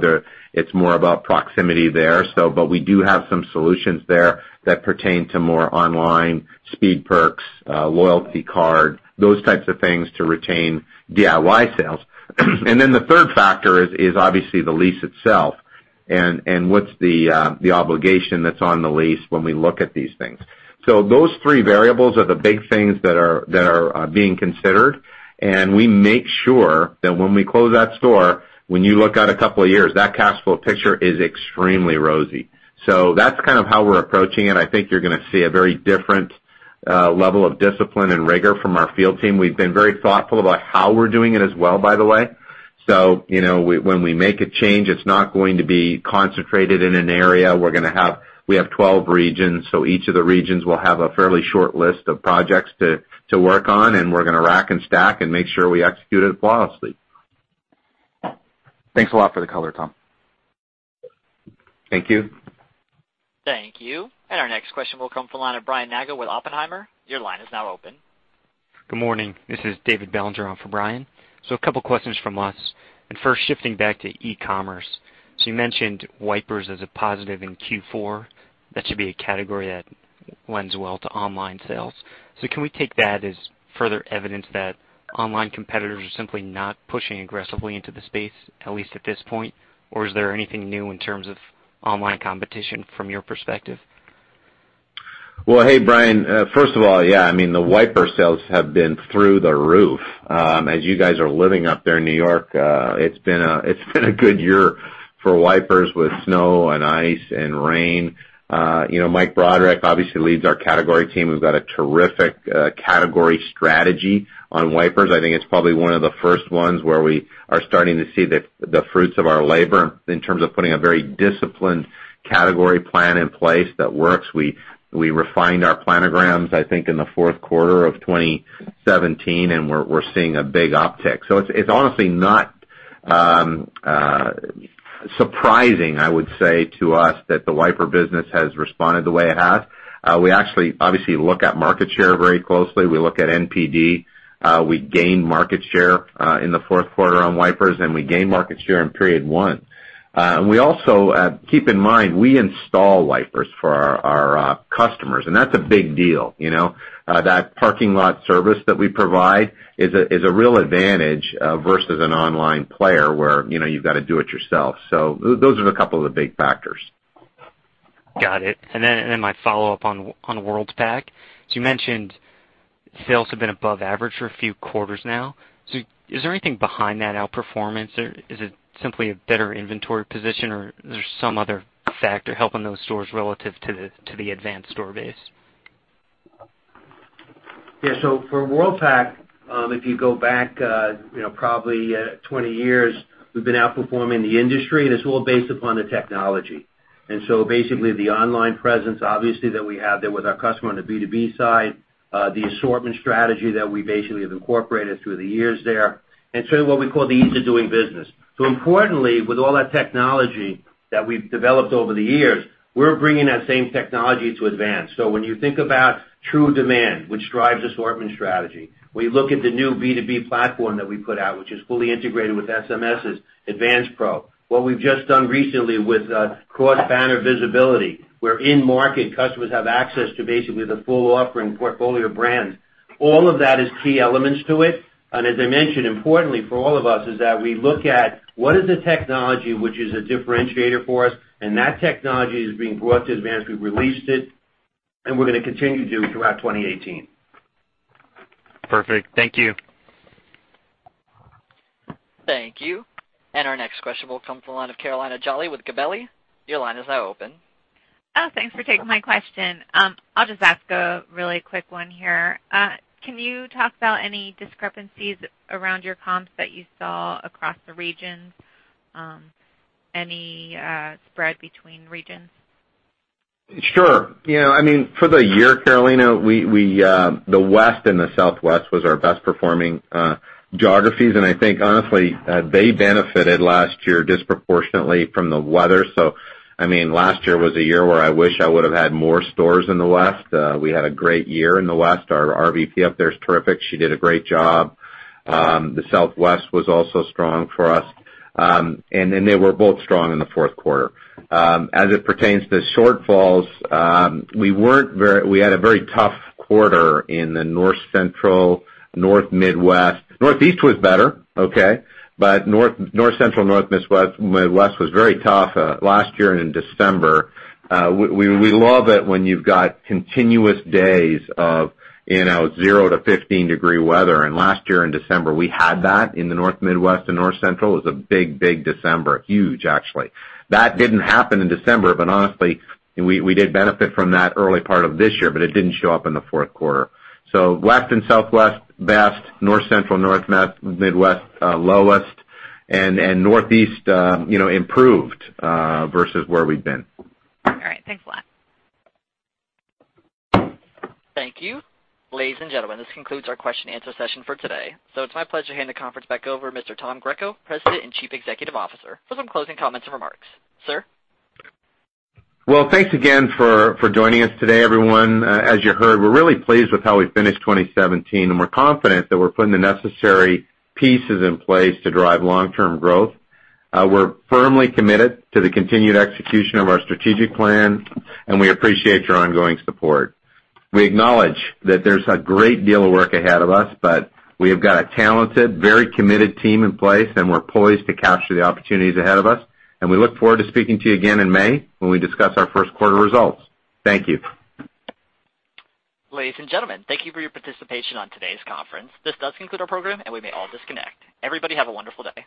It's more about proximity there. We do have some solutions there that pertain to more online, Speed Perks, loyalty card, those types of things to retain DIY sales. The third factor is obviously the lease itself and what's the obligation that's on the lease when we look at these things. Those three variables are the big things that are being considered. We make sure that when we close that store, when you look out a couple of years, that cash flow picture is extremely rosy. That's kind of how we're approaching it. I think you're going to see a very different level of discipline and rigor from our field team. We've been very thoughtful about how we're doing it as well, by the way. When we make a change, it's not going to be concentrated in an area. We have 12 regions, each of the regions will have a fairly short list of projects to work on. We're going to rack and stack and make sure we execute it flawlessly. Thanks a lot for the color, Tom. Thank you. Thank you. Our next question will come from the line of Brian Nagel with Oppenheimer. Your line is now open. Good morning. This is David Bellinger on for Brian. A couple of questions from us. First shifting back to e-commerce. You mentioned wipers as a positive in Q4. That should be a category that lends well to online sales. Can we take that as further evidence that online competitors are simply not pushing aggressively into the space, at least at this point? Or is there anything new in terms of online competition from your perspective? Well, hey, Brian. First of all, yeah, the wiper sales have been through the roof. As you guys are living up there in New York, it's been a good year for wipers with snow and ice and rain. Mike Broderick obviously leads our category team. We've got a terrific category strategy on wipers. I think it's probably one of the first ones where we are starting to see the fruits of our labor in terms of putting a very disciplined category plan in place that works. We refined our planograms, I think, in the fourth quarter of 2017, and we're seeing a big uptick. It's honestly not surprising, I would say to us, that the wiper business has responded the way it has. We actually obviously look at market share very closely. We look at NPD. We gained market share in the fourth quarter on wipers, and we gained market share in period one. We also, keep in mind, we install wipers for our customers, and that's a big deal. That parking lot service that we provide is a real advantage versus an online player where you've got to do it yourself. Those are the couple of the big factors. Got it. My follow-up on Worldpac. You mentioned sales have been above average for a few quarters now. Is there anything behind that outperformance or is it simply a better inventory position, or there's some other factor helping those stores relative to the Advance store base? Yeah. For Worldpac, if you go back probably 20 years, we've been outperforming the industry, it's all based upon the technology. Basically the online presence, obviously, that we have there with our customer on the B2B side, the assortment strategy that we basically have incorporated through the years there and sort of what we call the ease of doing business. Importantly, with all that technology that we've developed over the years, we're bringing that same technology to Advance. When you think about true demand, which drives assortment strategy, we look at the new B2B platform that we put out, which is fully integrated with SMS's AdvancePro. What we've just done recently with cross-banner visibility, where in market, customers have access to basically the full offering portfolio of brands. All of that is key elements to it. As I mentioned, importantly for all of us is that we look at what is the technology which is a differentiator for us, that technology is being brought to Advance. We've released it, and we're going to continue to do it throughout 2018. Perfect. Thank you. Thank you. Our next question will come from the line of Carolina Jolly with Gabelli. Your line is now open. Oh, thanks for taking my question. I'll just ask a really quick one here. Can you talk about any discrepancies around your comps that you saw across the regions? Any spread between regions? Sure. For the year, Carolina, the West and the Southwest was our best performing geographies. I think, honestly, they benefited last year disproportionately from the weather. Last year was a year where I wish I would've had more stores in the West. We had a great year in the West. Our RVP up there is terrific. She did a great job. The Southwest was also strong for us. They were both strong in the fourth quarter. As it pertains to shortfalls, we had a very tough quarter in the North Central, North Midwest. Northeast was better. North Central, North Midwest was very tough last year and in December. We love it when you've got continuous days of 0 to 15-degree weather, and last year in December, we had that in the North Midwest and North Central. It was a big December. Huge, actually. That didn't happen in December, honestly, we did benefit from that early part of this year, but it didn't show up in the fourth quarter. West and Southwest, best. North Central, North Midwest, lowest. Northeast improved versus where we've been. All right. Thanks a lot. Thank you. Ladies and gentlemen, this concludes our question and answer session for today. It's my pleasure to hand the conference back over to Mr. Tom Greco, President and Chief Executive Officer, for some closing comments and remarks. Sir? Well, thanks again for joining us today, everyone. As you heard, we're really pleased with how we finished 2017, we're confident that we're putting the necessary pieces in place to drive long-term growth. We're firmly committed to the continued execution of our strategic plan, we appreciate your ongoing support. We acknowledge that there's a great deal of work ahead of us, we have got a talented, very committed team in place, and we're poised to capture the opportunities ahead of us. We look forward to speaking to you again in May when we discuss our first quarter results. Thank you. Ladies and gentlemen, thank you for your participation on today's conference. This does conclude our program, and we may all disconnect. Everybody have a wonderful day.